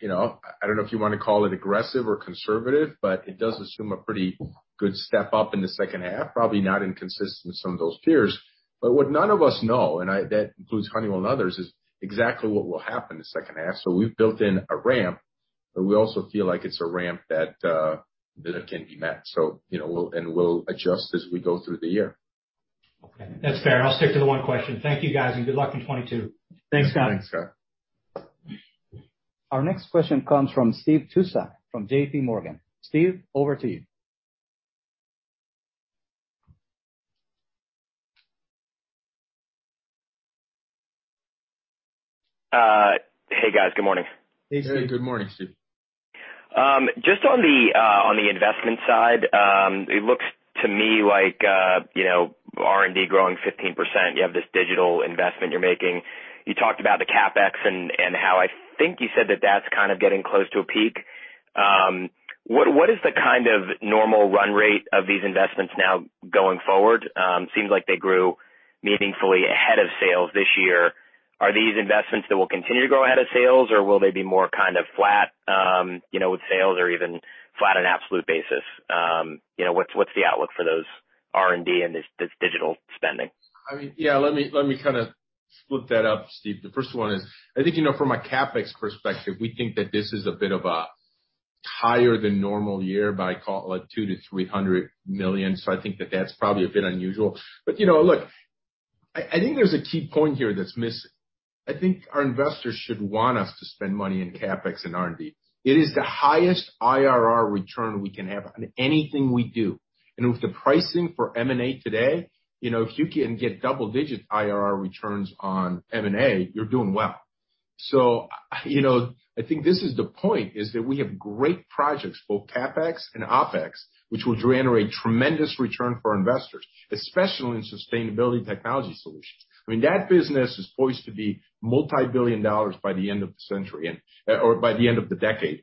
You know, I don't know if you wanna call it aggressive or conservative, but it does assume a pretty good step-up in the second half, probably not inconsistent with some of those peers. What none of us know, and I, that includes Honeywell and others, is exactly what will happen in the second half. We've built in a ramp, but we also feel like it's a ramp that can be met. You know, we'll adjust as we go through the year. Okay. That's fair. I'll stick to the one question. Thank you, guys, and good luck in 2022. Thanks, Scott. Our next question comes from Steve Tusa from JPMorgan. Steve, over to you. Hey, guys. Good morning. Hey, Steve. Good morning, Steve. Just on the investment side, it looks to me like, you know, R&D growing 15%, you have this digital investment you're making. You talked about the CapEx and how I think you said that that's kind of getting close to a peak. What is the kind of normal run rate of these investments now going forward? Seems like they grew meaningfully ahead of sales this year. Are these investments that will continue to grow ahead of sales, or will they be more kind of flat, you know, with sales or even flat on absolute basis? You know, what's the outlook for those R&D and this digital spending? I mean, yeah, let me, let me kind of split that up, Steve. The first one is, I think, you know, from a CapEx perspective, we think that this is a bit of a higher than normal year by, call it, like $200 million-$300 million. I think that that's probably a bit unusual. You know, look, I think there's a key point here that's missing. I think our investors should want us to spend money in CapEx and R&D. It is the highest IRR return we can have on anything we do. With the pricing for M&A today, you know, if you can get double-digit IRR returns on M&A, you're doing well. You know, I think this is the point, is that we have great projects, both CapEx and OpEx, which will generate tremendous return for investors, especially in sustainability technology solutions. I mean, that business is poised to be multi-billion dollars by the end of the century or by the end of the decade.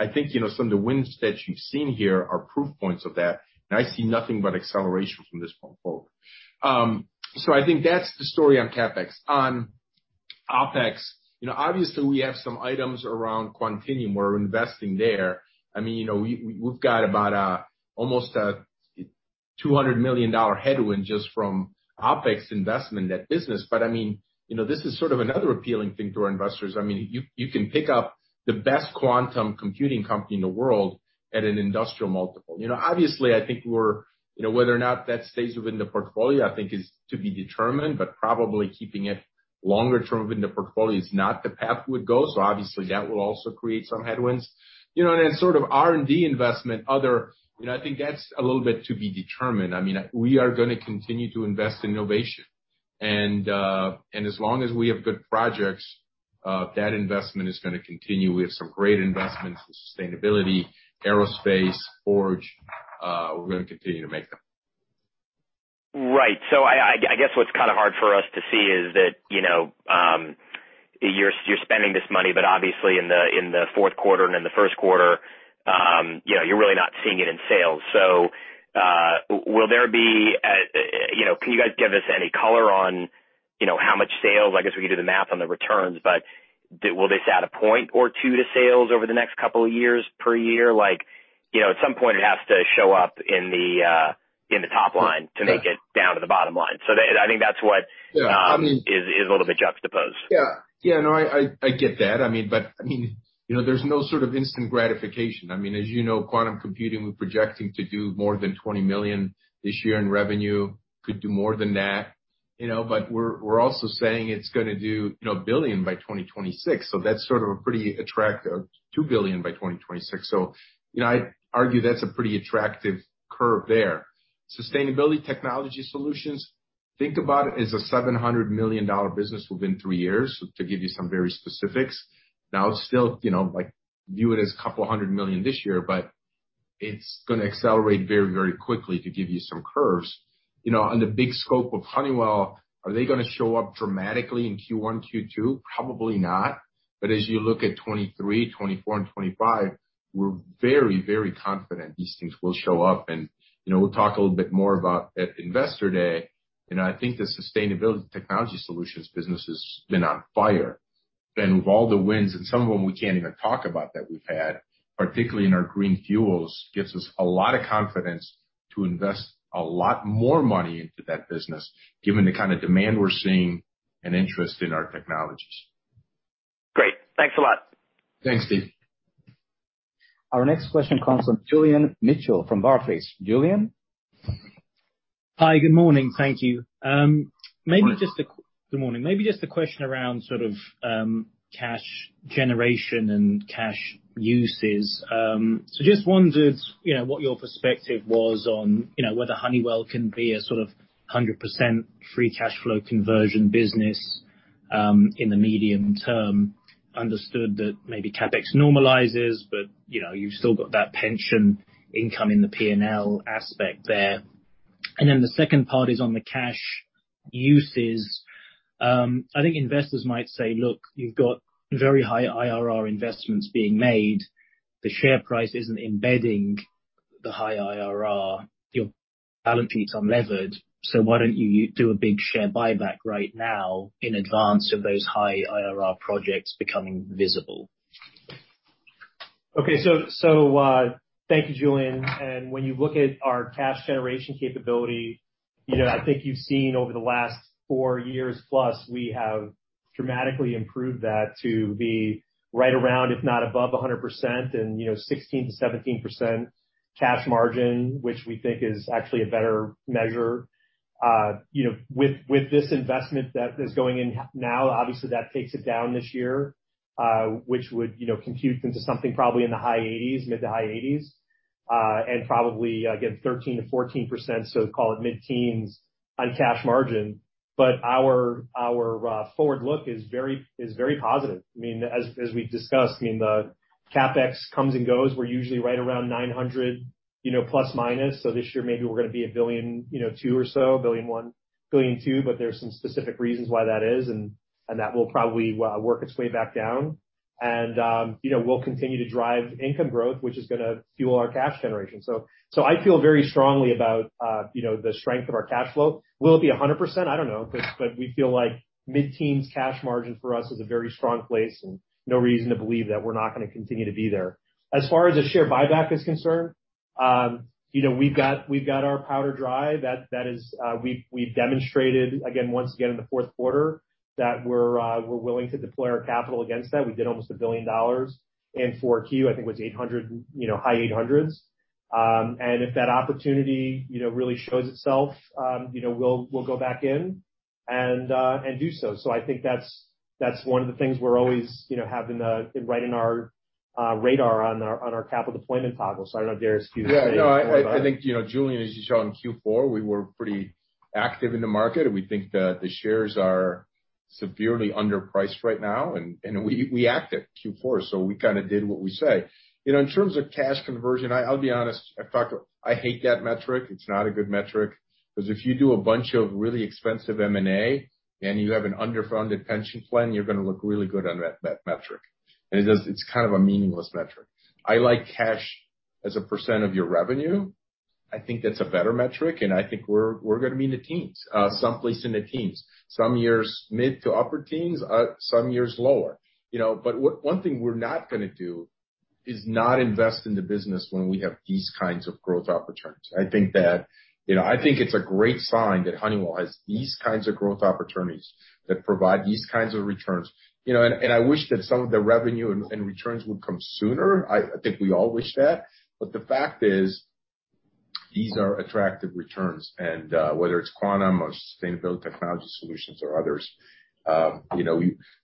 I think, you know, some of the wins that you've seen here are proof points of that, and I see nothing but acceleration from this point forward. I think that's the story on CapEx. On OpEx, you know, obviously we have some items around Quantinuum. We're investing there. I mean, you know, we've got about almost a $200 million headwind just from OpEx investment in that business. I mean, you know, this is sort of another appealing thing to our investors. I mean, you can pick up the best quantum computing company in the world at an industrial multiple. You know, obviously, I think we're, you know, whether or not that stays within the portfolio, I think is to be determined, but probably keeping it longer-term within the portfolio is not the path we would go. Obviously, that will also create some headwinds. You know, then sort of R&D investment, other, you know, I think that's a little bit to be determined. I mean, we are gonna continue to invest in innovation. As long as we have good projects, that investment is gonna continue. We have some great investments in sustainability, Aerospace, Forge, we're gonna continue to make them. Right. I guess what's kinda hard for us to see is that, you know, you're spending this money, but obviously in the fourth quarter and in the first quarter, you know, you're really not seeing it in sales. Will there be, you know, can you guys give us any color on, you know, how much sales? I guess we can do the math on the returns, but will this add a point or two to sales over the next couple of years per year? Like, you know, at some point it has to show up in the top line to make it down to the bottom line. I think that's what is a little bit juxtaposed. Yeah. Yeah, no, I get that. I mean, but I mean, you know, there's no sort of instant gratification. I mean, as you know, quantum computing, we're projecting to do more than $20 million this year in revenue. Could do more than that, you know, but we're also saying it's gonna do $2 billion by 2026, so that's sort of a pretty attractive curve there. Sustainability technology solutions, think about it as a $700 million business within three years, to give you some very specifics. Now it's still, you know, like, view it as a couple of $100 million this year, but it's gonna accelerate very, very quickly, to give you some curves. You know, on the big scope of Honeywell, are they gonna show up dramatically in Q1, Q2? Probably not. As you look at 2023, 2024, and 2025, we're very, very confident these things will show up. You know, we'll talk a little bit more about that at Investor Day. You know, I think the sustainability technology solutions business has been on fire. With all the wins, and some of them we can't even talk about that we've had, particularly in our green fuels, gives us a lot of confidence to invest a lot more money into that business, given the kind of demand we're seeing and interest in our technologies. Great. Thanks a lot. Thanks, Steve. Our next question comes from Julian Mitchell from Barclays. Julian? Hi, good morning. Thank you. Good morning. Maybe just a question around sort of cash generation and cash uses. So just wondered, you know, what your perspective was on, you know, whether Honeywell can be a sort of 100% free cash flow conversion business in the medium term. Understood that maybe CapEx normalizes, but, you know, you've still got that pension income in the P&L aspect there. Then the second part is on the cash uses. I think investors might say, "Look, you've got very high IRR investments being made. The share price isn't embedding the high IRR. Your balance sheet's unlevered, so why don't you do a big share buyback right now in advance of those high IRR projects becoming visible? Thank you, Julian. When you look at our cash generation capability, I think you've seen over the last four years plus, we have dramatically improved that to be right around, if not above 100% and 16%-17% cash margin, which we think is actually a better measure. With this investment that is going in now, obviously that takes it down this year, which would compute into something probably in the high 80s, mid- to high 80s, and probably, again, 13%-14%, so call it mid-teens on cash margin. Our forward look is very positive. I mean, as we've discussed, I mean, the CapEx comes and goes. We're usually right around 900 ±. This year maybe we're gonna be $1.2 billion or so, $1 billion, $2 billion, but there's some specific reasons why that is and that will probably work its way back down. We'll continue to drive income growth, which is gonna fuel our cash generation. I feel very strongly about you know, the strength of our cash flow. Will it be 100%? I don't know, 'cause, but we feel like mid-teens cash margin for us is a very strong place and no reason to believe that we're not gonna continue to be there. As far as the share buyback is concerned, you know, we've got our powder dry. That is, we've demonstrated once again in the fourth quarter, that we're willing to deploy our capital against that. We did almost $1 billion in 4Q. I think it was $800 million, you know, high $800 million. If that opportunity, you know, really shows itself, you know, we'll go back in and do so. I think that's one of the things we always have it right on our radar on our capital deployment toggle. I don't know, Darius, do you wanna say any more about it? Yeah, no. I think, you know, Julian, as you saw in Q4, we were pretty active in the market, and we think that the shares are severely underpriced right now. We acted Q4, so we kind of did what we say. You know, in terms of cash conversion, I'll be honest, I fuckin' hate that metric. It's not a good metric. 'Cause if you do a bunch of really expensive M&A and you have an underfunded pension plan, you're gonna look really good on that metric. It's kind of a meaningless metric. I like cash as a % of your revenue. I think that's a better metric, and I think we're gonna be in the teens some place in the teens. Some years mid to upper teens, some years lower. You know, but what. One thing we're not gonna do is not invest in the business when we have these kinds of growth opportunities. I think that, you know, I think it's a great sign that Honeywell has these kinds of growth opportunities that provide these kinds of returns. You know, and I wish that some of the revenue and returns would come sooner. I think we all wish that, but the fact is these are attractive returns. Whether it's Quantum or Sustainability Technology Solutions or others, you know,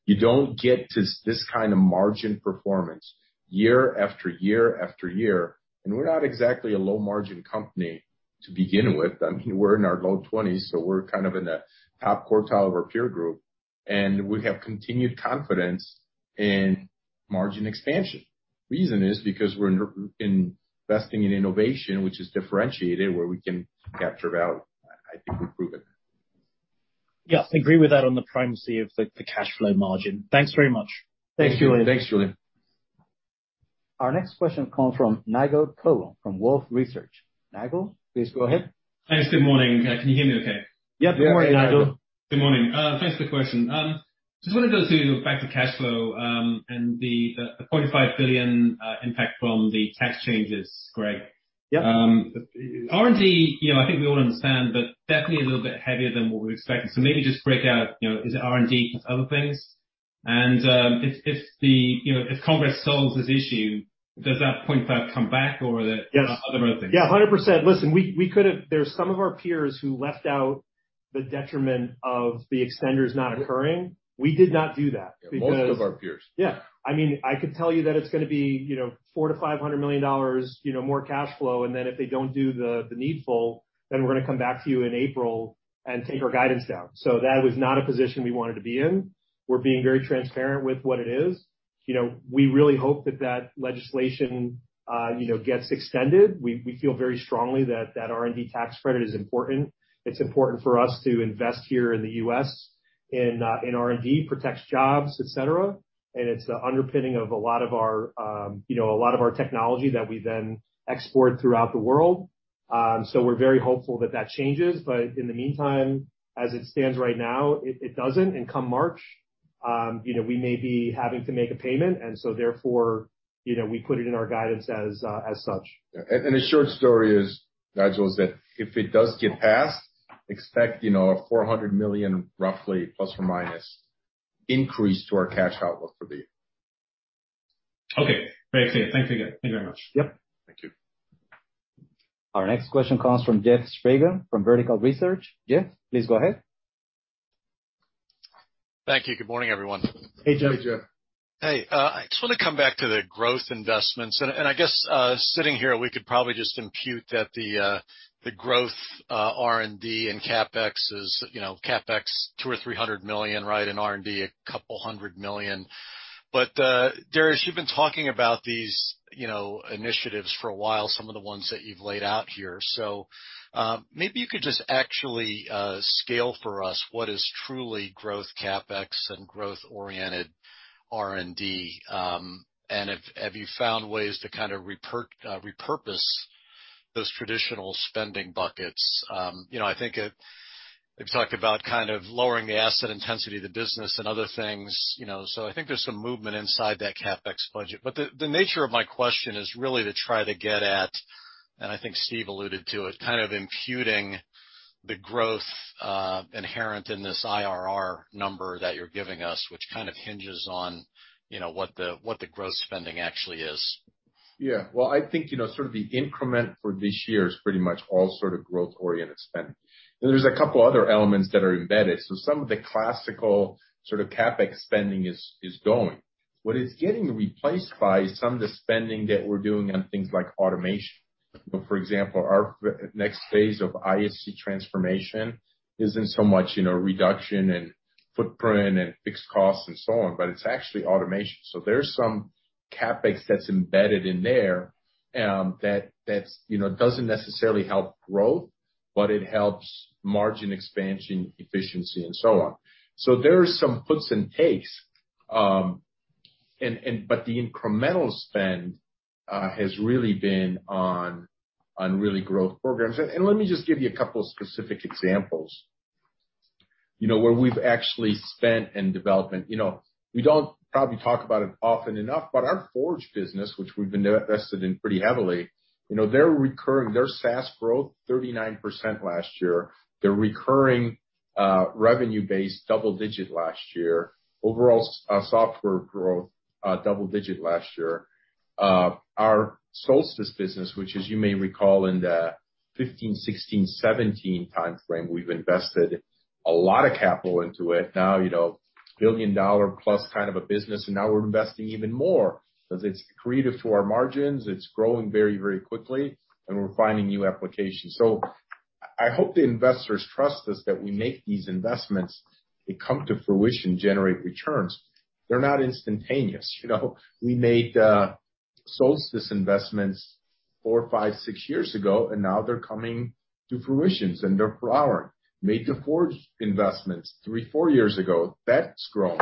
you don't get this kind of margin performance year after year after year, and we're not exactly a low margin company to begin with. I mean, we're in our low 20s%, so we're kind of in the top quartile of our peer group, and we have continued confidence in margin expansion. Reason is because we're investing in innovation which is differentiated, where we can capture value. I think we've proven that. Yeah, agree with that on the primacy of the cash flow margin. Thanks very much. Thank you. Thanks, Julian. Our next question comes from Nigel Coe from Wolfe Research. Nigel, please go ahead. Thanks. Good morning. Can you hear me okay? Yeah. Good morning, Nigel. Yeah. Good morning. Thanks for the question. Just wanted to go back to cash flow, and the $0.5 billion impact from the tax changes, Greg. Yep. R&D, you know, I think we all understand, but definitely a little bit heavier than what we expected. Maybe just break out, you know, is it R&D plus other things? If Congress solves this issue, does that $0.5 come back or are there- Yes. Other things? Yeah, 100%. Listen, we could have. There are some of our peers who left out the detriment of the extenders not occurring. We did not do that because- Most of our peers. Yeah. I mean, I could tell you that it's gonna be, you know, $400 million-$500 million, you know, more cash flow, and then if they don't do the needful, then we're gonna come back to you in April and take our guidance down. That was not a position we wanted to be in. We're being very transparent with what it is. You know, we really hope that that legislation gets extended. We feel very strongly that that R&D tax credit is important. It's important for us to invest here in the U.S. in R&D, protects jobs, et cetera, and it's the underpinning of a lot of our technology that we then export throughout the world. We're very hopeful that that changes. In the meantime, as it stands right now, it doesn't, and come March, you know, we may be having to make a payment. Therefore, you know, we put it in our guidance as such. The short story is, Nigel, that if it does get passed, expect, you know, a $400 million, roughly, plus or minus increase to our cash outlook for the year. Okay. Very clear. Thanks again. Thank you very much. Yep. Thank you. Our next question comes from Jeff Sprague from Vertical Research. Jeff, please go ahead. Thank you. Good morning, everyone. Hey, Jeff. Hey, Jeff. Hey, I just wanna come back to the growth investments. I guess sitting here we could probably just impute that the growth R&D and CapEx is you know CapEx $200-$300 million right? In R&D, $200 million. Darius, you've been talking about these you know initiatives for a while, some of the ones that you've laid out here. Maybe you could just actually scale for us what is truly growth CapEx and growth-oriented R&D. Have you found ways to kind of repurpose those traditional spending buckets? You know, I think you talked about kind of lowering the asset intensity of the business and other things you know. I think there's some movement inside that CapEx budget. The nature of my question is really to try to get at, and I think Steve alluded to, is kind of imputing the growth inherent in this IRR number that you're giving us, which kind of hinges on, you know, what the growth spending actually is. Yeah. Well, I think, you know, sort of the increment for this year is pretty much all sort of growth-oriented spending. There's a couple other elements that are embedded. Some of the classical sort of CapEx spending is going, what is getting replaced by some of the spending that we're doing on things like automation. For example, our next phase of ISC transformation isn't so much, you know, reduction and footprint and fixed costs and so on, but it's actually automation. There's some CapEx that's embedded in there, that's, you know, doesn't necessarily help growth, but it helps margin expansion, efficiency, and so on. There are some puts and takes, and but the incremental spend has really been on really growth programs. Let me just give you a couple of specific examples. You know, where we've actually spent in development. You know, we don't probably talk about it often enough, but our Forge business, which we've invested in pretty heavily, you know, their recurring, their SaaS growth, 39% last year. Their recurring revenue base, double-digit last year. Overall, software growth, double-digit last year. Our Solstice business, which as you may recall in the 2015, 2016, 2017 timeframe, we've invested a lot of capital into it. Now, you know, billion-dollar-plus kind of a business, and now we're investing even more because it's accretive to our margins, it's growing very, very quickly, and we're finding new applications. I hope the investors trust us that we make these investments, they come to fruition, generate returns. They're not instantaneous. You know, we made Solstice investments four, five, six years ago, and now they're coming to fruition, and they're growing. Made the Forge investments three, four years ago. That's grown.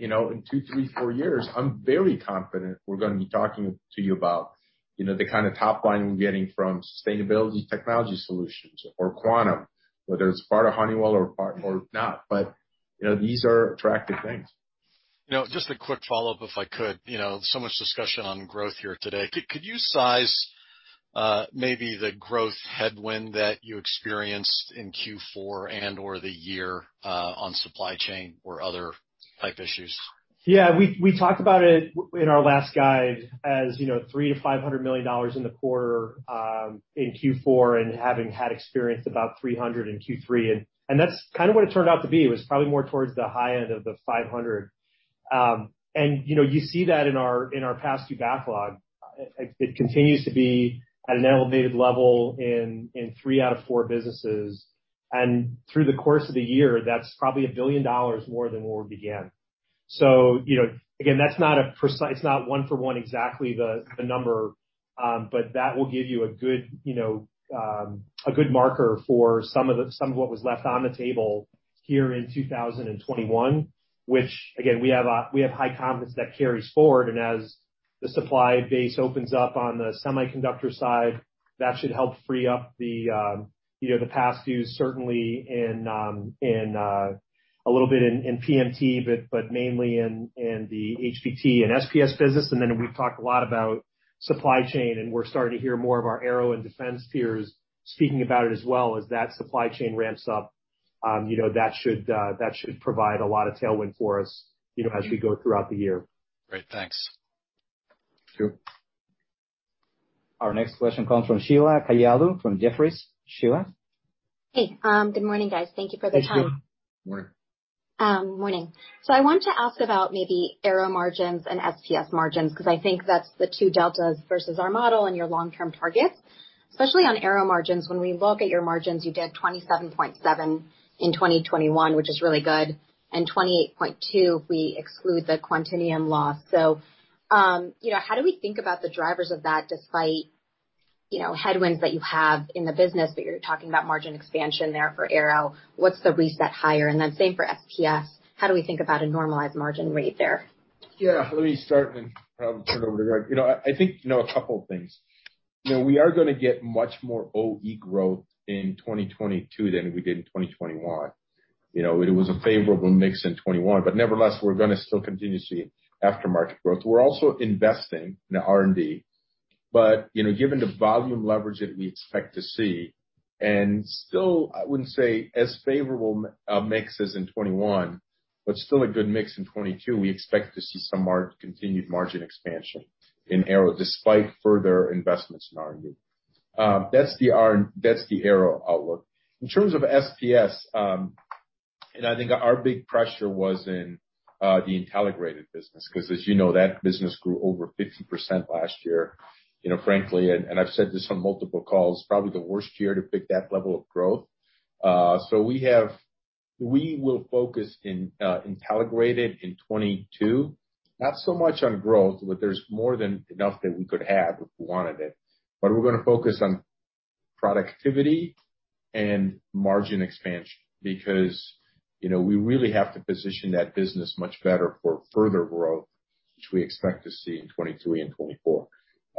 You know, in two, three, four years, I'm very confident we're gonna be talking to you about, you know, the kinda top line we're getting from sustainability technology solutions or quantum, whether it's part of Honeywell or part or not. You know, these are attractive things. You know, just a quick follow-up, if I could. You know, so much discussion on growth here today. Could you size maybe the growth headwind that you experienced in Q4 and/or the year on supply chain or other type issues? Yeah. We talked about it in our last guide, as you know, $300 million-$500 million in the quarter in Q4 and having experienced about $300 million in Q3. That's kind of what it turned out to be, was probably more towards the high end of the $500 million. You know, you see that in our past-due backlog. It continues to be at an elevated level in three out of four businesses. Through the course of the year, that's probably $1 billion more than where we began. You know, again, that's not one for one exactly the number, but that will give you a good, you know, a good marker for some of what was left on the table here in 2021, which again, we have high confidence that carries forward. As the supply base opens up on the semiconductor side, that should help free up the, you know, the past dues, certainly in a little bit in PMT, but mainly in the HBT and SPS business. Then we've talked a lot about supply chain, and we're starting to hear more of our Aerospace and Defense peers speaking about it as well as that supply chain ramps up. You know, that should provide a lot of tailwind for us, you know, as we go throughout the year. Great. Thanks. Sure. Our next question comes from Sheila Kahyaoglu from Jefferies. Sheila? Hey. Good morning, guys. Thank you for the time. Hey, Sheila. Morning. Morning. I wanted to ask about maybe Aerospace margins and SPS margins, because I think that's the two deltas versus our model and your long-term targets. Especially on Aerospace margins, when we look at your margins, you did 27.7% in 2021, which is really good, and 28.2%, if we exclude the Quantinuum loss. You know, how do we think about the drivers of that despite, you know, headwinds that you have in the business, but you're talking about margin expansion there for Aerospace, what's the reset higher? And then same for SPS, how do we think about a normalized margin rate there? Yeah, let me start and probably turn it over to Greg. You know, I think, you know, a couple things. You know, we are gonna get much more OE growth in 2022 than we did in 2021. You know, it was a favorable mix in 2021, but nevertheless, we're gonna still continue to see aftermarket growth. We're also investing in R&D. You know, given the volume leverage that we expect to see, and still I wouldn't say as favorable mix as in 2021, but still a good mix in 2022, we expect to see some continued margin expansion in Aerospace, despite further investments in R&D. That's the Aerospace outlook. In terms of SPS, you know, I think our big pressure was in the Intelligrated business, 'cause as you know, that business grew over 50% last year. You know, frankly, and I've said this on multiple calls, probably the worst year to pick that level of growth. We will focus in Intelligrated in 2022, not so much on growth, but there's more than enough that we could have if we wanted it. We're gonna focus on productivity and margin expansion because, you know, we really have to position that business much better for further growth, which we expect to see in 2023 and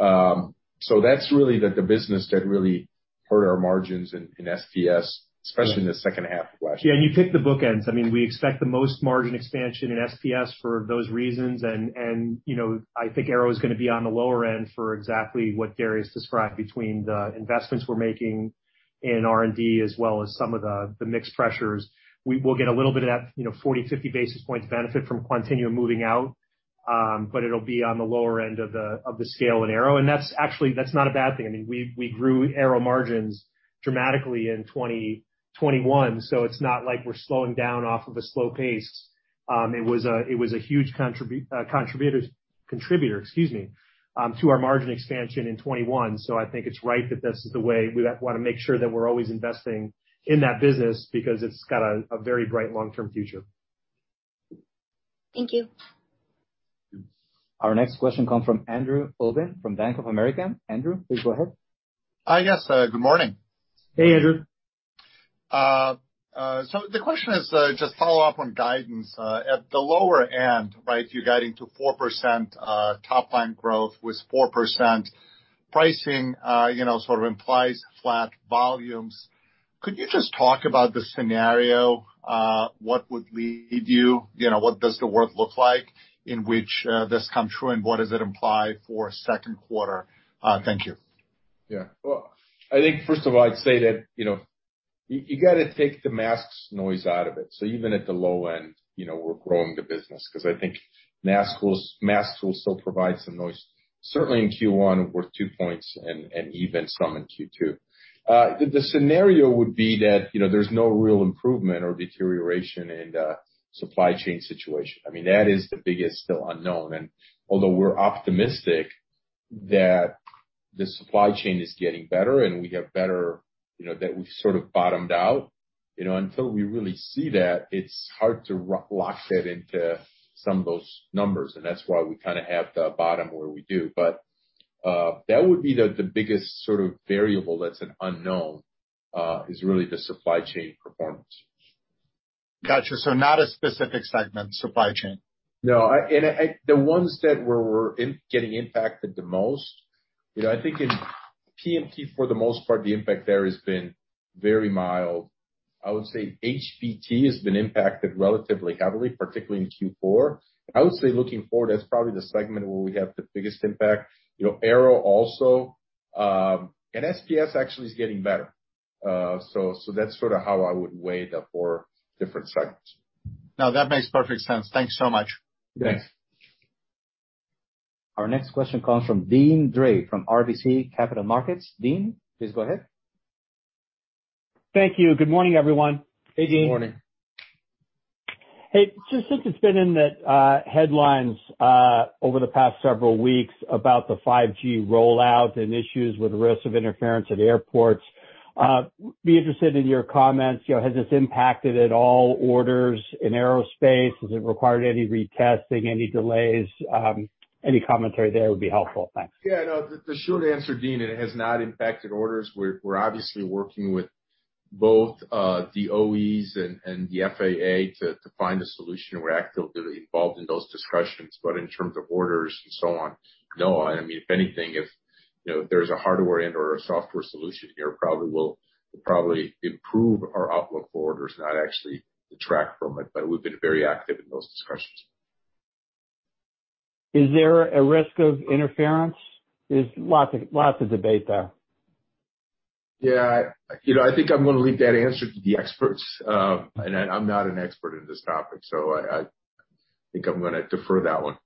2024. That's really the business that really hurt our margins in SPS, especially in the second half of last year. Yeah, you picked the bookends. I mean, we expect the most margin expansion in SPS for those reasons. You know, I think Aerospace is gonna be on the lower end for exactly what Gary's described between the investments we're making in R&D as well as some of the mix pressures. We will get a little bit of that, you know, 40-50 basis points benefit from Quantinuum moving out, but it'll be on the lower end of the scale in Aerospace. That's actually not a bad thing. I mean, we grew Aerospace margins dramatically in 2021, so it's not like we're slowing down off of a slow pace. It was a huge contributor to our margin expansion in 2021. I think it's right that this is the way we want to make sure that we're always investing in that business because it's got a very bright long-term future. Thank you. Our next question comes from Andrew Obin from Bank of America. Andrew, please go ahead. Hi, guys. Good morning. Hey, Andrew. The question is just a follow up on guidance. At the lower end, right, you're guiding to 4% top line growth with 4% pricing, you know, sort of implies flat volumes. Could you just talk about the scenario? What would lead you? You know, what does the world look like in which this come true, and what does it imply for second quarter? Thank you. Yeah. Well, I think first of all, I'd say that, you know, you gotta take the masks noise out of it. So even at the low end, you know, we're growing the business. 'Cause I think masks will still provide some noise, certainly in Q1 worth 2 points and even some in Q2. The scenario would be that, you know, there's no real improvement or deterioration in the supply chain situation. I mean, that is the biggest still unknown. Although we're optimistic that the supply chain is getting better and we have better, you know, that we've sort of bottomed out, you know, until we really see that, it's hard to lock that into some of those numbers, and that's why we kinda have the bottom where we do. That would be the biggest sort of variable that's an unknown is really the supply chain performance. Gotcha. Not a specific segment, supply chain. No. The ones that we're getting impacted the most, you know, I think in PMT for the most part, the impact there has been very mild. I would say HBT has been impacted relatively heavily, particularly in Q4. I would say looking forward, that's probably the segment where we have the biggest impact. You know, Aerospace also, and SPS actually is getting better. That's sorta how I would weigh the four different segments. No, that makes perfect sense. Thank you so much. Thanks. Our next question comes from Deane Dray from RBC Capital Markets. Deane, please go ahead. Thank you. Good morning, everyone. Hey, Deane. Good morning. Hey. Just since it's been in the headlines over the past several weeks about the 5G rollout and issues with risk of interference at airports, I'd be interested in your comments. You know, has this impacted orders at all in Aerospace? Has it required any retesting, any delays? Any commentary there would be helpful. Thanks. Yeah, no. The short answer, Dean, it has not impacted orders. We're obviously working with both the OEs and the FAA to find a solution. We're actively involved in those discussions. In terms of orders and so on, no. I mean, if anything, you know, if there's a hardware and/or a software solution here, it will probably improve our outlook for orders, not actually detract from it. We've been very active in those discussions. Is there a risk of interference? There's lots of debate there. Yeah. You know, I think I'm gonna leave that answer to the experts, and I'm not an expert in this topic, so I think I'm gonna defer that one.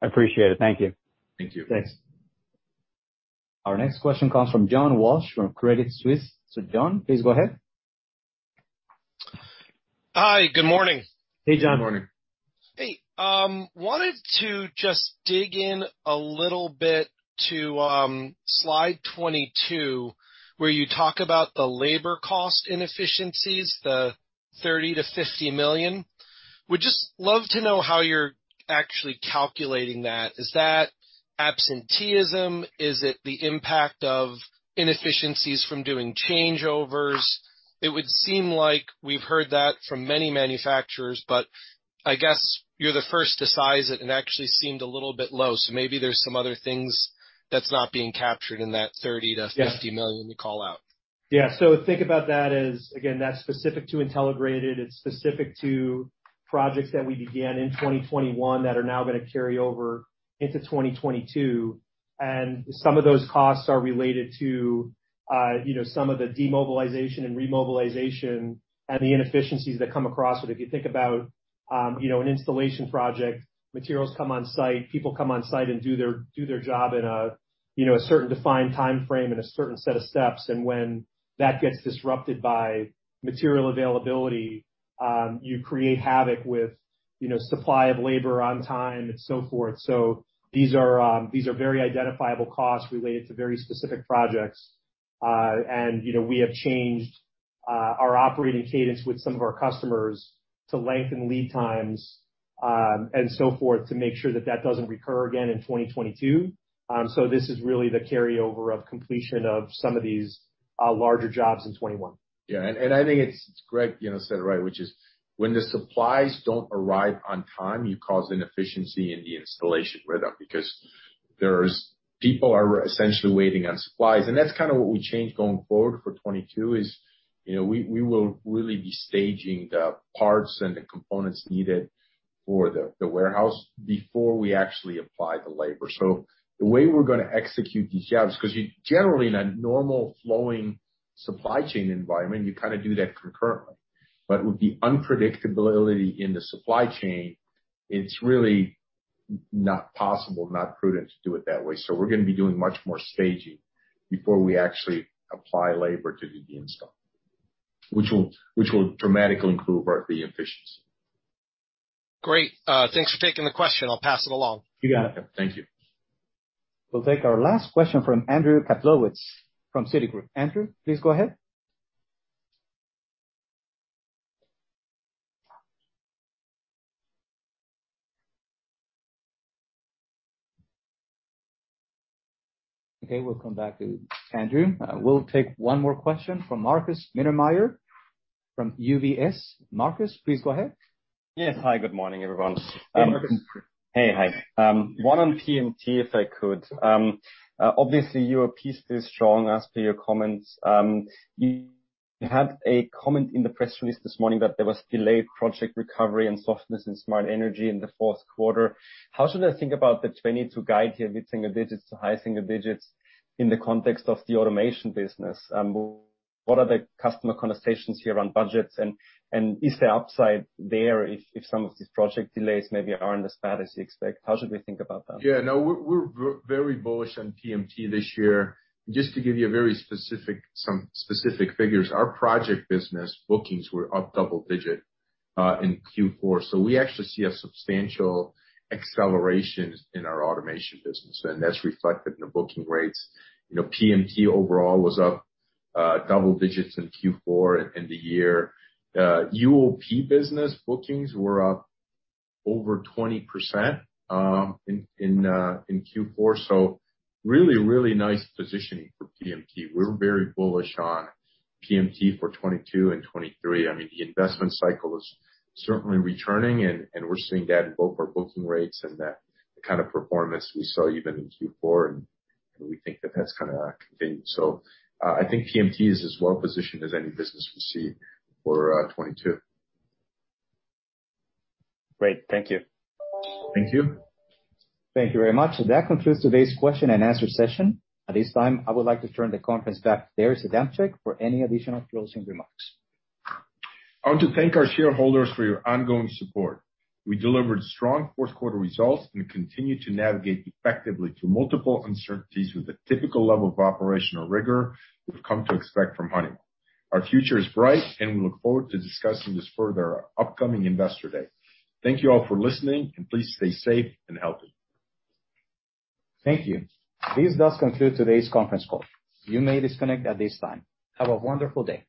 I appreciate it. Thank you. Thank you. Thanks. Our next question comes from John Walsh from Credit Suisse. John, please go ahead. Hi, good morning. Hey, John. Good morning. Hey, wanted to just dig in a little bit to slide 22, where you talk about the labor cost inefficiencies, the $30 million-$50 million. Would just love to know how you're actually calculating that. Is that absenteeism? Is it the impact of inefficiencies from doing changeovers? It would seem like we've heard that from many manufacturers, but I guess you're the first to size it and actually seemed a little bit low. Maybe there's some other things that's not being captured in that $30 million to- Yeah. $50 million you call out. Yeah. Think about that as, again, that's specific to Intelligrated, it's specific to projects that we began in 2021 that are now gonna carry over into 2022. Some of those costs are related to, you know, some of the demobilization and remobilization and the inefficiencies that come across. If you think about, you know, an installation project, materials come on site, people come on site and do their job in a, you know, a certain defined timeframe and a certain set of steps. When that gets disrupted by material availability, you create havoc with, you know, supply of labor on time and so forth. These are very identifiable costs related to very specific projects. You know, we have changed our operating cadence with some of our customers to lengthen lead times and so forth to make sure that that doesn't recur again in 2022. This is really the carryover of completion of some of these larger jobs in 2021. I think it's Greg, you know, said it right, which is when the supplies don't arrive on time, you cause inefficiency in the installation rhythm because there are people essentially waiting on supplies. That's kinda what we changed going forward for 2022 is, you know, we will really be staging the parts and the components needed for the warehouse before we actually apply the labor. The way we're gonna execute these jobs, 'cause you generally, in a normal flowing supply chain environment, you kinda do that concurrently. With the unpredictability in the supply chain, it's really not possible, not prudent to do it that way. We're gonna be doing much more staging before we actually apply labor to do the install, which will dramatically improve our efficiency. Great. Thanks for taking the question. I'll pass it along. You got it. Thank you. We'll take our last question from Andrew Kaplowitz from Citigroup. Andrew, please go ahead. Okay, we'll come back to Andrew. We'll take one more question from Markus Mittermaier from UBS. Markus, please go ahead. Yes. Hi, good morning, everyone. Hey, Markus. Hey, hi. One on PMT, if I could. Obviously your piece still strong as per your comments. You had a comment in the press release this morning that there was delayed project recovery and softness in smart energy in the fourth quarter. How should I think about the 2022 guide here with single digits to high single digits in the context of the automation business? What are the customer conversations here on budgets? And is there upside there if some of these project delays maybe aren't as bad as you expect? How should we think about that? Yeah, no, we're very bullish on PMT this year. Just to give you some specific figures, our project business bookings were up double-digit in Q4. We actually see a substantial acceleration in our automation business, and that's reflected in the booking rates. You know, PMT overall was up double digits in Q4 in the year. UOP business bookings were up over 20% in Q4. So really nice positioning for PMT. We're very bullish on PMT for 2022 and 2023. I mean, the investment cycle is certainly returning and we're seeing that in both our booking rates and the kind of performance we saw even in Q4, and we think that that's gonna continue. So, I think PMT is as well positioned as any business we see for 2022. Great. Thank you. Thank you. Thank you very much. That concludes today's question and answer session. At this time, I would like to turn the conference back to Darius Adamczyk for any additional closing remarks. I want to thank our shareholders for your ongoing support. We delivered strong fourth quarter results and continue to navigate effectively through multiple uncertainties with the typical level of operational rigor we've come to expect from Honeywell. Our future is bright, and we look forward to discussing this further at our upcoming Investor Day. Thank you all for listening, and please stay safe and healthy. Thank you. This does conclude today's conference call. You may disconnect at this time. Have a wonderful day.